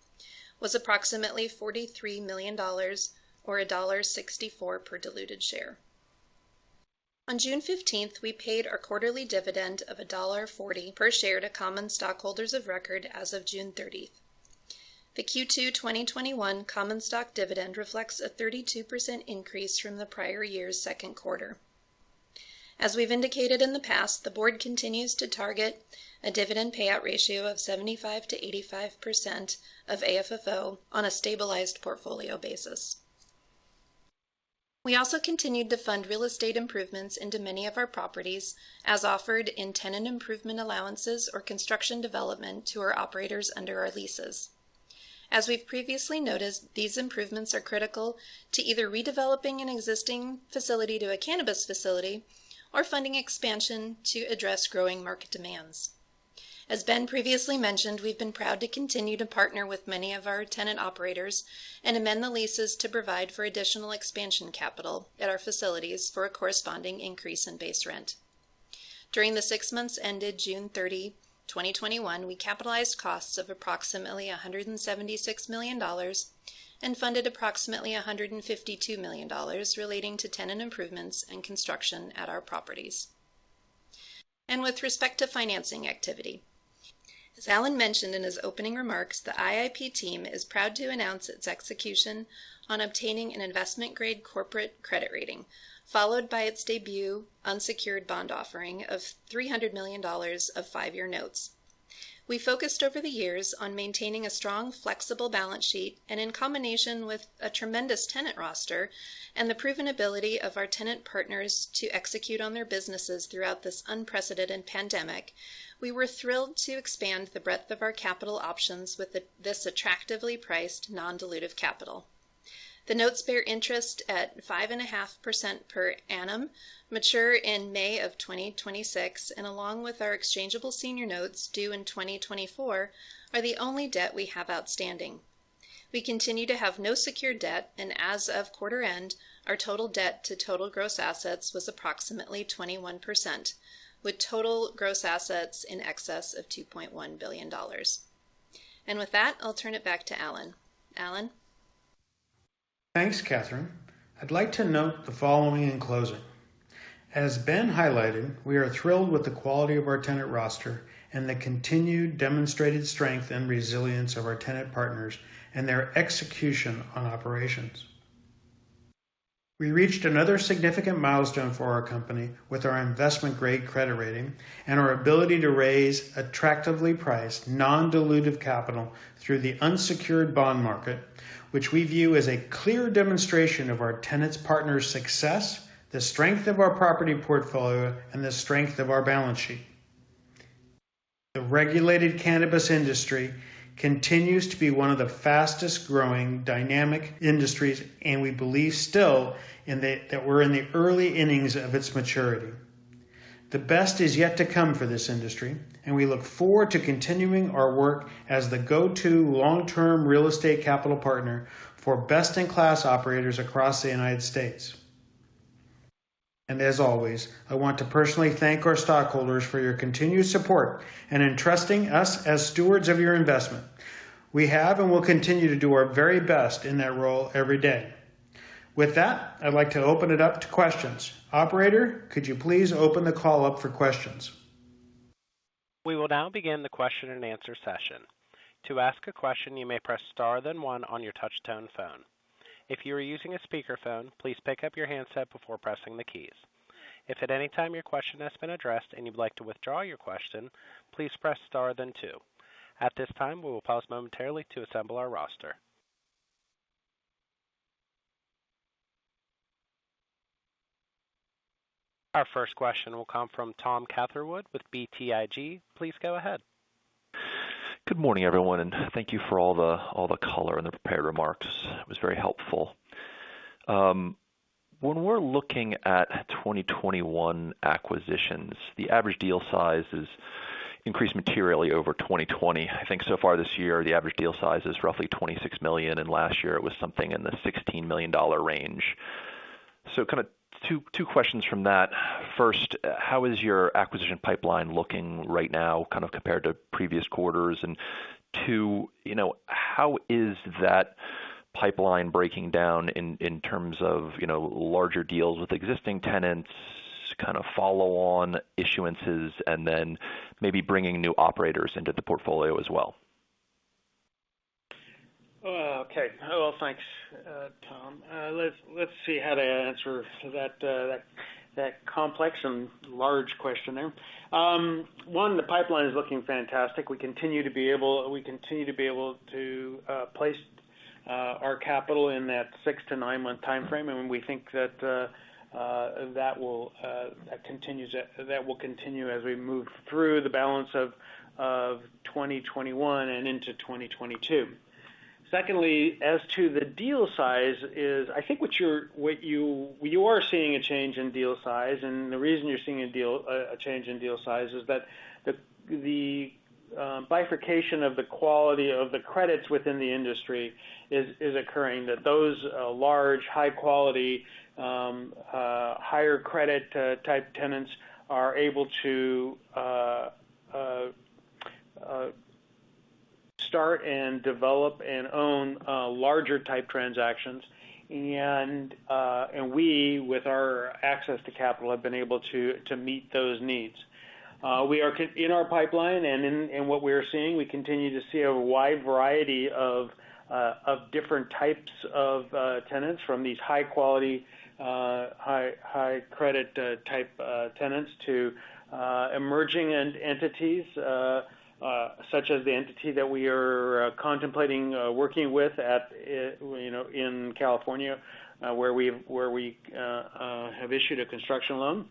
Speaker 6: was approximately $43 million, or $1.64 per diluted share. On June 15th, we paid our quarterly dividend of $1.40 per share to common stockholders of record as of June 30. The Q2 2021 common stock dividend reflects a 32% increase from the prior year's second quarter. As we've indicated in the past, the Board continues to target a dividend payout ratio of 75%-85% of AFFO on a stabilized portfolio basis. We also continued to fund real estate improvements into many of our properties, as offered in tenant improvement allowances or construction development to our operators under our leases. As we've previously noted, these improvements are critical to either redeveloping an existing facility to a cannabis facility or funding expansion to address growing market demands. As Ben previously mentioned, we've been proud to continue to partner with many of our tenant operators and amend the leases to provide for additional expansion capital at our facilities for a corresponding increase in base rent. During the six months ended June 30, 2021, we capitalized costs of approximately $176 million and funded approximately $152 million relating to tenant improvements and construction at our properties. With respect to financing activity, as Alan mentioned in his opening remarks, the IIP team is proud to announce its execution on obtaining an investment-grade corporate credit rating, followed by its debut unsecured bond offering of $300 million of five-year notes. We focused over the years on maintaining a strong, flexible balance sheet, and in combination with a tremendous tenant roster and the proven ability of our tenant partners to execute on their businesses throughout this unprecedented pandemic, we were thrilled to expand the breadth of our capital options with this attractively priced non-dilutive capital. The notes bear interest at 5.5% per annum, mature in May of 2026, and along with our exchangeable senior notes due in 2024, are the only debt we have outstanding. We continue to have no secured debt, and as of quarter end, our total debt to total gross assets was approximately 21%, with total gross assets in excess of $2.1 billion. With that, I'll turn it back to Alan. Alan?
Speaker 3: Thanks, Catherine. I'd like to note the following in closing. As Ben highlighted, we are thrilled with the quality of our tenant roster and the continued demonstrated strength and resilience of our tenant partners and their execution on operations. We reached another significant milestone for our company with our investment-grade credit rating and our ability to raise attractively priced, non-dilutive capital through the unsecured bond market, which we view as a clear demonstration of our tenants' partner success, the strength of our property portfolio, and the strength of our balance sheet. The regulated cannabis industry continues to be one of the fastest-growing dynamic industries, and we believe still that we're in the early innings of its maturity. The best is yet to come for this industry, and we look forward to continuing our work as the go-to long-term real estate capital partner for best-in-class operators across the United States. As always, I want to personally thank our stockholders for your continued support and in trusting us as stewards of your investment. We have and will continue to do our very best in that role every day. With that, I'd like to open it up to questions. Operator, could you please open the call up for questions?
Speaker 1: We will now begin the question-and-answer session. To ask a question, you may press star, then one on your touchtone phone. If you are using a speakerphone, please pick up your handset before pressing the keys. If at any time your question has been addressed and you would like to withdraw your question, please press star, then two. At this time, we will pause momentarily to assemble our roster. Our first question will come from Tom Catherwood with BTIG. Please go ahead.
Speaker 7: Good morning, everyone, thank you for all the color and the prepared remarks. It was very helpful. When we're looking at 2021 acquisitions, the average deal size has increased materially over 2020. I think so far this year, the average deal size is roughly $26 million, and last year it was something in the $16 million range. Kind of two questions from that. First, how is your acquisition pipeline looking right now, kind of compared to previous quarters? Two, how is that pipeline breaking down in terms of larger deals with existing tenants, kind of follow on issuances and then maybe bringing new operators into the portfolio as well?
Speaker 3: Well, thanks, Tom. Let's see how to answer that complex and large question there. One, the pipeline is looking fantastic. We continue to be able to place our capital in that six to nine-month timeframe, and we think that will continue as we move through the balance of 2021 and into 2022. Secondly, as to the deal size is, I think you are seeing a change in deal size, and the reason you're seeing a change in deal size is that the bifurcation of the quality of the credits within the industry is occurring. That those large, high quality, higher credit type tenants are able to, start and develop and own larger type transactions. We, with our access to capital, have been able to meet those needs. In our pipeline and in what we are seeing, we continue to see a wide variety of different types of tenants, from these high quality, high credit type tenants to emerging entities, such as the entity that we are contemplating working with in California, where we have issued a construction loan.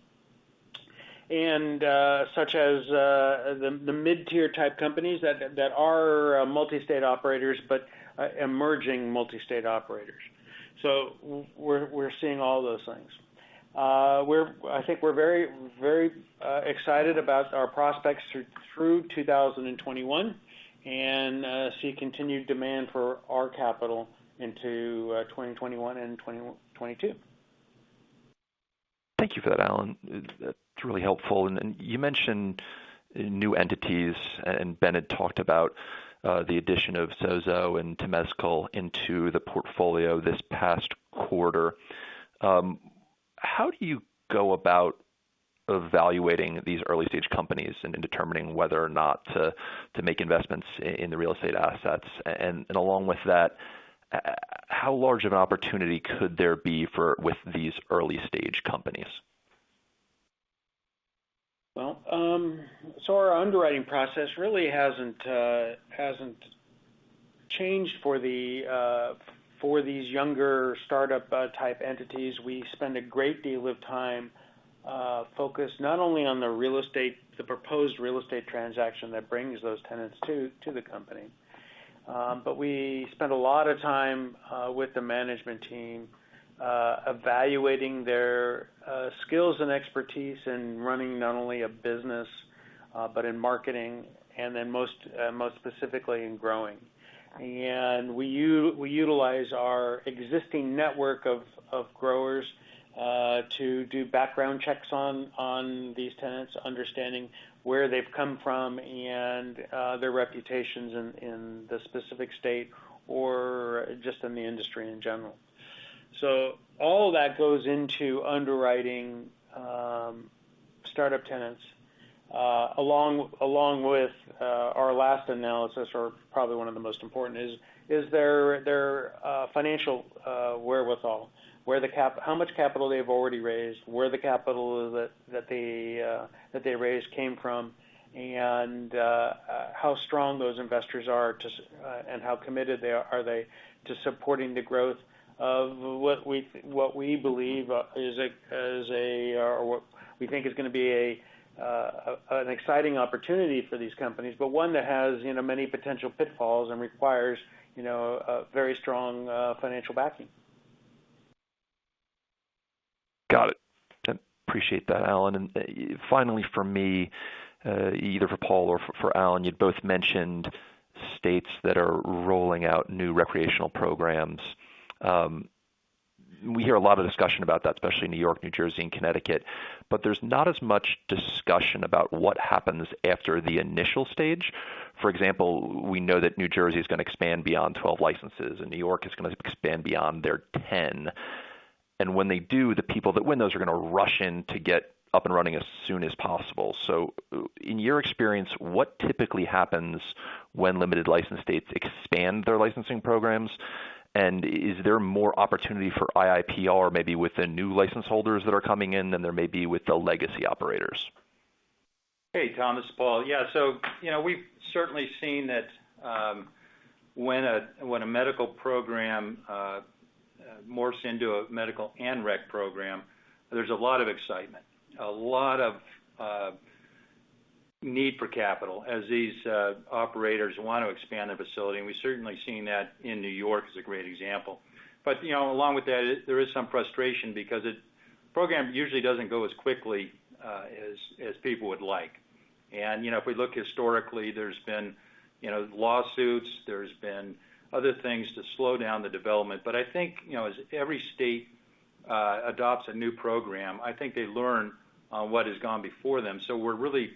Speaker 3: Such as the mid-tier type companies that are Multi-State Operators, but emerging Multi-State Operators. We're seeing all those things. I think we're very excited about our prospects through 2021 and see continued demand for our capital into 2021 and 2022.
Speaker 7: Thank you for that, Alan. That's really helpful. You mentioned new entities, and Ben had talked about the addition of Sozo and Temescal into the portfolio this past quarter. How do you go about evaluating these early-stage companies and determining whether or not to make investments in the real estate assets? Along with that, how large of an opportunity could there be with these early-stage companies?
Speaker 3: Well, our underwriting process really hasn't changed for these younger startup type entities. We spend a great deal of time focusing not only on the proposed real estate transaction that brings those tenants to the company, but we spend a lot of time with the management team evaluating their skills and expertise in running not only a business, but in marketing and then most specifically in growing. We utilize our existing network of growers to do background checks on these tenants, understanding where they've come from and their reputations in the specific state or just in the industry in general. All that goes into underwriting startup tenants, along with our last analysis or probably one of the most important, is their financial wherewithal, how much capital they've already raised, where the capital that they raised came from, and how strong those investors are, and how committed are they to supporting the growth of what we think is going to be an exciting opportunity for these companies, but one that has many potential pitfalls and requires a very strong financial backing.
Speaker 7: Got it. Appreciate that, Alan. Finally from me, either for Paul or for Alan, you both mentioned states that are rolling out new recreational programs. We hear a lot of discussion about that, especially New York, New Jersey, and Connecticut, but there's not as much discussion about what happens after the initial stage. For example, we know that New Jersey is going to expand beyond 12 licenses, and New York is going to expand beyond their 10. When they do, the people that win those are going to rush in to get up and running as soon as possible. In your experience, what typically happens when limited license states expand their licensing programs? Is there more opportunity for IIPR maybe with the new license holders that are coming in than there may be with the legacy operators?
Speaker 4: Hey, Tom, this is Paul. We've certainly seen that when a medical program morphs into a medical and rec program, there's a lot of excitement, a lot of need for capital as these operators want to expand their facility, and we've certainly seen that in New York as a great example. Along with that, there is some frustration because the program usually doesn't go as quickly as people would like. If we look historically, there's been lawsuits, there's been other things to slow down the development. I think, as every state adopts a new program, I think they learn on what has gone before them. We're really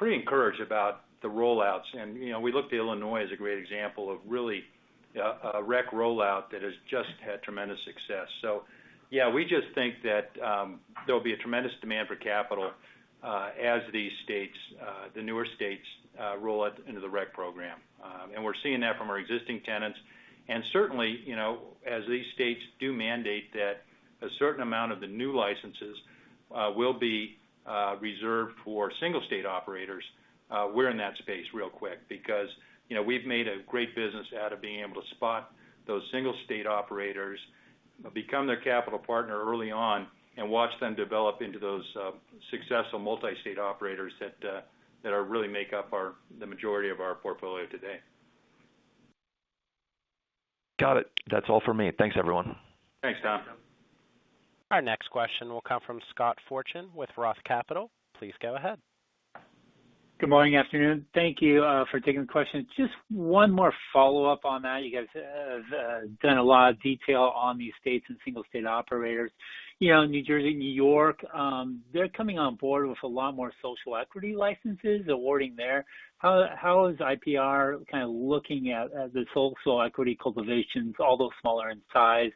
Speaker 4: pretty encouraged about the roll-outs. We look to Illinois as a great example of really a rec rollout that has just had tremendous success. Yeah, we just think that there'll be a tremendous demand for capital, as the newer states roll out into the rec program. We're seeing that from our existing tenants. Certainly, as these states do mandate that a certain amount of the new licenses will be reserved for single state operators, we're in that space real quick because we've made a great business out of being able to spot those single state operators, become their capital partner early on, and watch them develop into those successful multi-state operators that really make up the majority of our portfolio today.
Speaker 7: Got it. That's all for me. Thanks, everyone.
Speaker 3: Thanks, Tom.
Speaker 1: Our next question will come from Scott Fortune with ROTH Capital. Please go ahead.
Speaker 8: Good morning, afternoon. Thank you for taking the question. Just one more follow-up on that. You guys have done a lot of detail on these states and single state operators. New Jersey, New York, they're coming on board with a lot more social equity licenses awarding there. How is IIPR looking at the social equity cultivations, although smaller in size,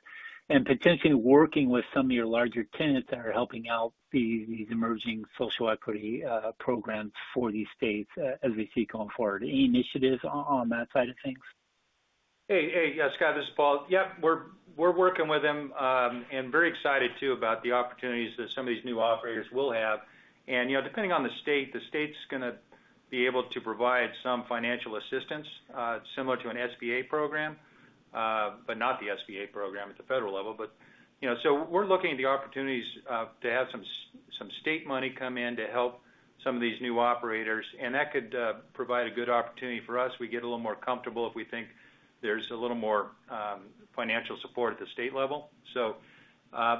Speaker 8: and potentially working with some of your larger tenants that are helping out these emerging social equity programs for these states, as we see going forward? Any initiatives on that side of things?
Speaker 4: Hey, Scott, this is Paul. We're working with them, very excited too about the opportunities that some of these new operators will have. Depending on the state, the state's going to be able to provide some financial assistance, similar to an SBA program, but not the SBA program at the federal level. We're looking at the opportunities to have some state money come in to help some of these new operators, and that could provide a good opportunity for us. We get a little more comfortable if we think there's a little more financial support at the state level.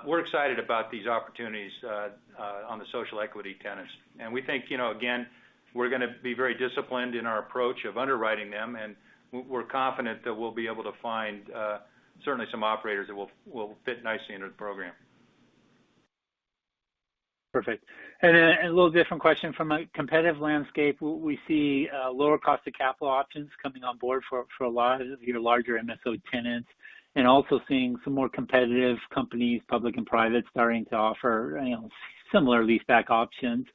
Speaker 4: We're excited about these opportunities on the social equity tenants. We think, again, we're going to be very disciplined in our approach of underwriting them, and we're confident that we'll be able to find certainly some operators that will fit nicely into the program.
Speaker 8: Perfect. A little different question. From a competitive landscape, we see lower cost of capital options coming on board for a lot of your larger MSO tenants and also seeing some more competitive companies, public and private, starting to offer similar leaseback options.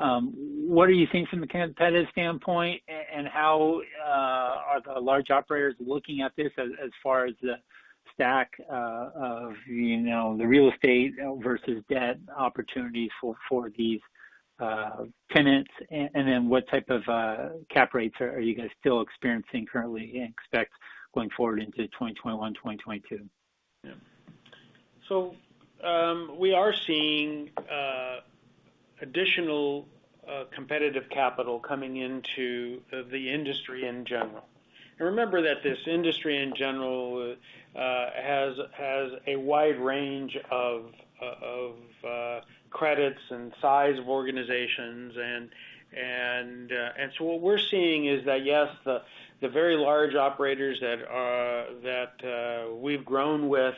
Speaker 8: What are you seeing from the competitive standpoint, and how are the large operators looking at this as far as the stack of the real estate versus debt opportunity for these tenants? What type of cap rates are you guys still experiencing currently and expect going forward into 2021, 2022?
Speaker 3: We are seeing additional competitive capital coming into the industry in general. Remember that this industry in general has a wide range of credits and size of organizations. What we're seeing is that, yes, the very large operators that we've grown with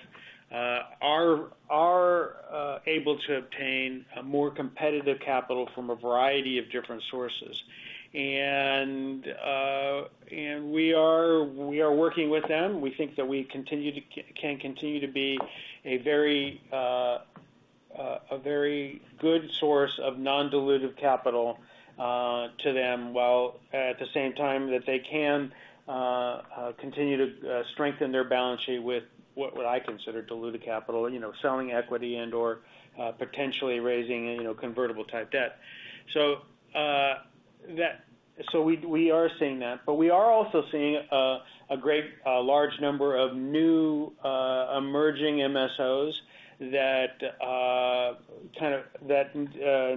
Speaker 3: are able to obtain a more competitive capital from a variety of different sources. We are working with them. We think that we can continue to be a very good source of non-dilutive capital to them, while at the same time that they can continue to strengthen their balance sheet with what I consider dilutive capital, selling equity and/or potentially raising convertible type debt. We are seeing that, but we are also seeing a great large number of new emerging MSOs that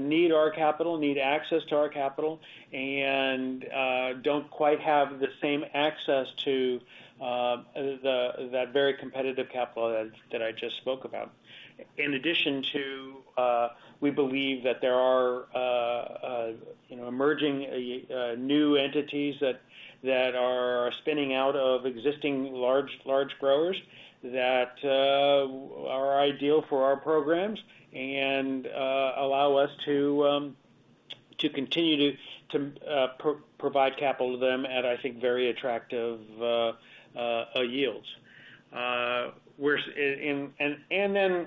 Speaker 3: need our capital, need access to our capital, and don't quite have the same access to that very competitive capital that I just spoke about. In addition to, we believe that there are emerging new entities that are spinning out of existing large growers that are ideal for our programs and allow us to continue to provide capital to them at, I think, very attractive yields.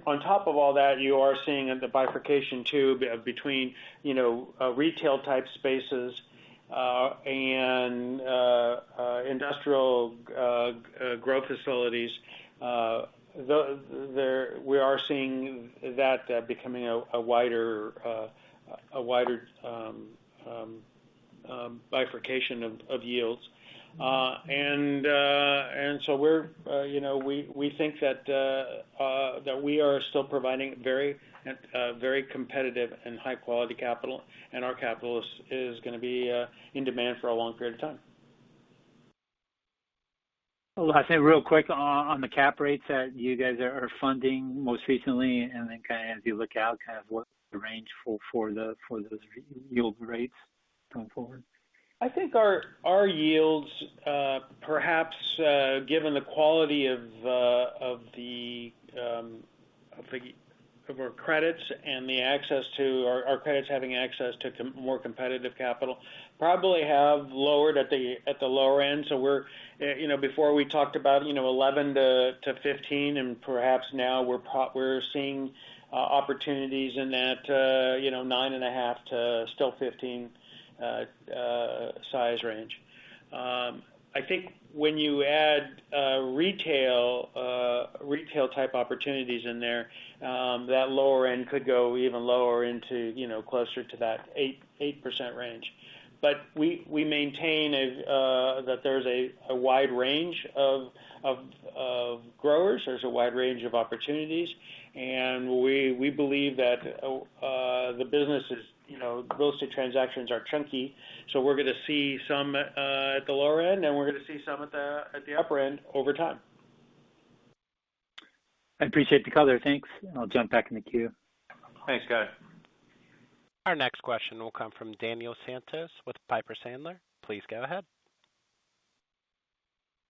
Speaker 3: On top of all that, you are seeing the bifurcation, too, between retail-type spaces and industrial growth facilities. We are seeing that becoming a wider bifurcation of yields. We think that we are still providing very competitive and high-quality capital, and our capital is going to be in demand for a long period of time.
Speaker 8: Well, I'll say real quick on the cap rates that you guys are funding most recently, and then kind of as you look out, kind of what the range for those yield rates going forward?
Speaker 3: I think our yields, perhaps given the quality of our credits and our credits having access to more competitive capital, probably have lowered at the lower end. Before we talked about 11%-15%, and perhaps now we're seeing opportunities in that 9.5%-15% size range. When you add retail-type opportunities in there, that lower end could go even lower into closer to that 8% range. We maintain that there's a wide range of growers, there's a wide range of opportunities, and we believe that those two transactions are chunky. We're going to see some at the lower end, and we're going to see some at the upper end over time.
Speaker 8: I appreciate the color. Thanks. I'll jump back in the queue.
Speaker 3: Thanks, Scott.
Speaker 1: Our next question will come from Daniel Santos with Piper Sandler. Please go ahead.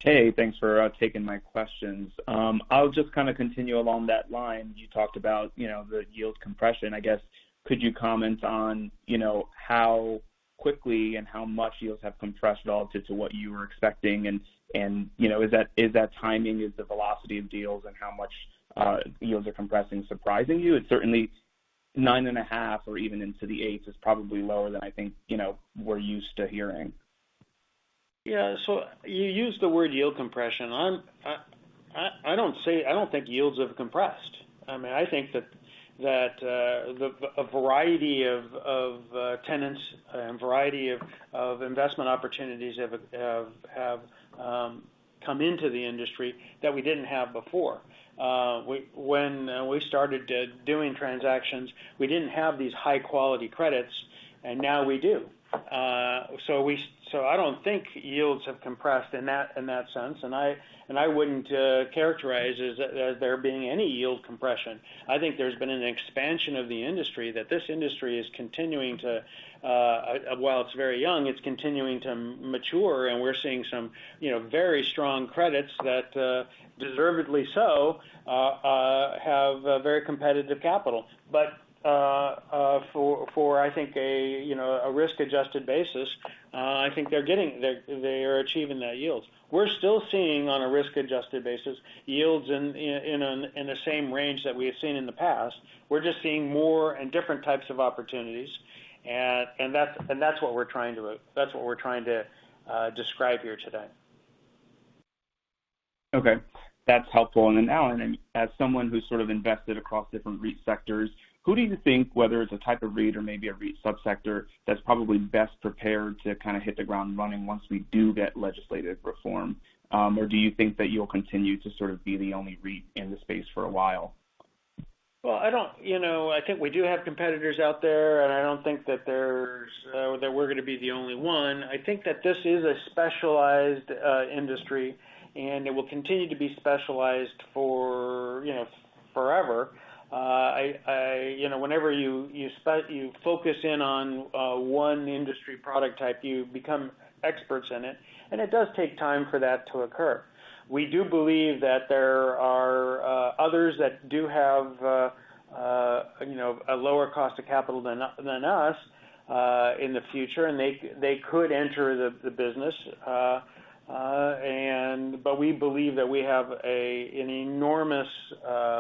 Speaker 9: Hey, thanks for taking my questions. I'll just kind of continue along that line. You talked about the yield compression. I guess, could you comment on how quickly and how much yields have compressed relative to what you were expecting, and is that timing, is the velocity of deals and how much yields are compressing surprising you? It's certainly 9.5% or even into the 8% is probably lower than I think we're used to hearing.
Speaker 3: You used the word yield compression. I don't think yields have compressed. I think that a variety of tenants and variety of investment opportunities have come into the industry that we didn't have before. When we started doing transactions, we didn't have these high-quality credits, and now we do. I don't think yields have compressed in that sense. I wouldn't characterize as there being any yield compression. I think there's been an expansion of the industry, that this industry is continuing to, while it's very young, it's continuing to mature, and we're seeing some very strong credits that deservedly so have very competitive capital. For, I think, a risk-adjusted basis, I think they are achieving their yields. We're still seeing, on a risk-adjusted basis, yields in the same range that we have seen in the past. We're just seeing more and different types of opportunities. That's what we're trying to describe here today.
Speaker 9: Okay. That's helpful. Now, as someone who's sort of invested across different REIT sectors, who do you think, whether it's a type of REIT or maybe a REIT sub-sector, that's probably best prepared to kind of hit the ground running once we do get legislative reform? Do you think that you'll continue to sort of be the only REIT in the space for a while?
Speaker 3: Well, I think we do have competitors out there, and I don't think that we're going to be the only one. I think that this is a specialized industry, and it will continue to be specialized for forever. Whenever you focus in on one industry product type, you become experts in it, and it does take time for that to occur. We do believe that there are others that do have a lower cost of capital than us in the future, and they could enter the business. We believe that we have an enormous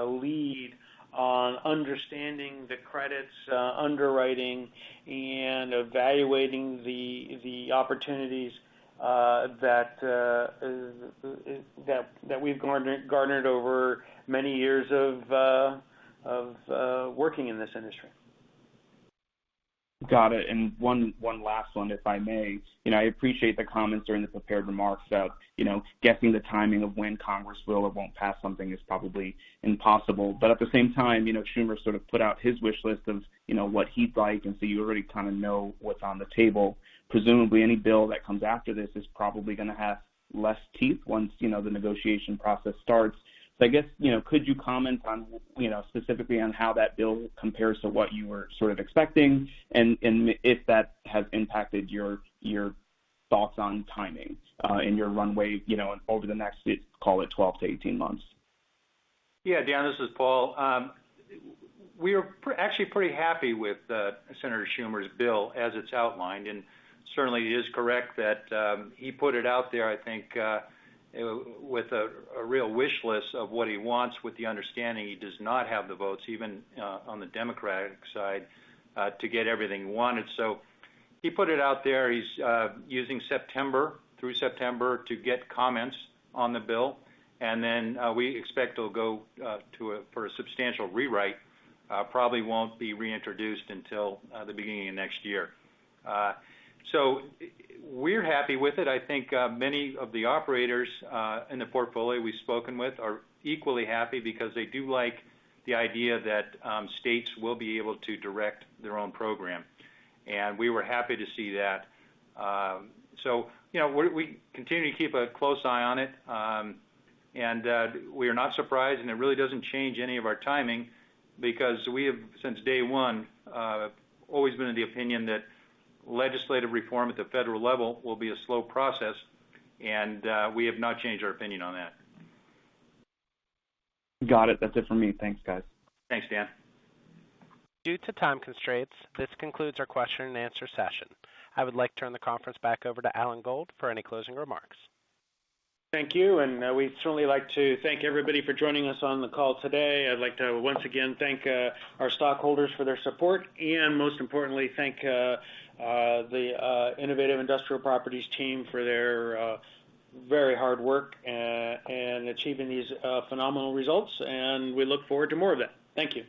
Speaker 3: lead on understanding the credits, underwriting, and evaluating the opportunities that we've garnered over many years of working in this industry.
Speaker 9: Got it. One last one, if I may. I appreciate the comments during the prepared remarks of guessing, the timing of when Congress will or won't pass something is probably impossible. At the same time, Senator Schumer sort of put out his wish list of what he'd like, you already kind of know what's on the table. Presumably, any bill that comes after this is probably going to have less teeth once the negotiation process starts. I guess, could you comment specifically on how that bill compares to what you were sort of expecting, and if that has impacted your thoughts on timing in your runway over the next, call it 12-18 months?
Speaker 4: Yeah. Dan, this is Paul. We're actually pretty happy with Senator Schumer's bill as it's outlined. Certainly, it is correct that he put it out there, I think, with a real wish list of what he wants, with the understanding he does not have the votes, even on the Democratic side, to get everything he wanted. He put it out there. He's using through September to get comments on the bill, and then we expect it'll go for a substantial rewrite. Probably won't be reintroduced until the beginning of next year. We're happy with it. I think many of the operators in the portfolio we've spoken with are equally happy because they do like the idea that states will be able to direct their own program, and we were happy to see that. We continue to keep a close eye on it. We are not surprised, and it really doesn't change any of our timing because we have, since day one, always been of the opinion that legislative reform at the federal level will be a slow process, and we have not changed our opinion on that.
Speaker 9: Got it. That's it for me. Thanks, guys.
Speaker 4: Thanks, Dan.
Speaker 1: Due to time constraints, this concludes our question-and-answer session. I would like to turn the conference back over to Alan Gold for any closing remarks.
Speaker 3: Thank you. We'd certainly like to thank everybody for joining us on the call today. I'd like to once again thank our stockholders for their support, and most importantly, thank the Innovative Industrial Properties team for their very hard work and achieving these phenomenal results, and we look forward to more of that. Thank you.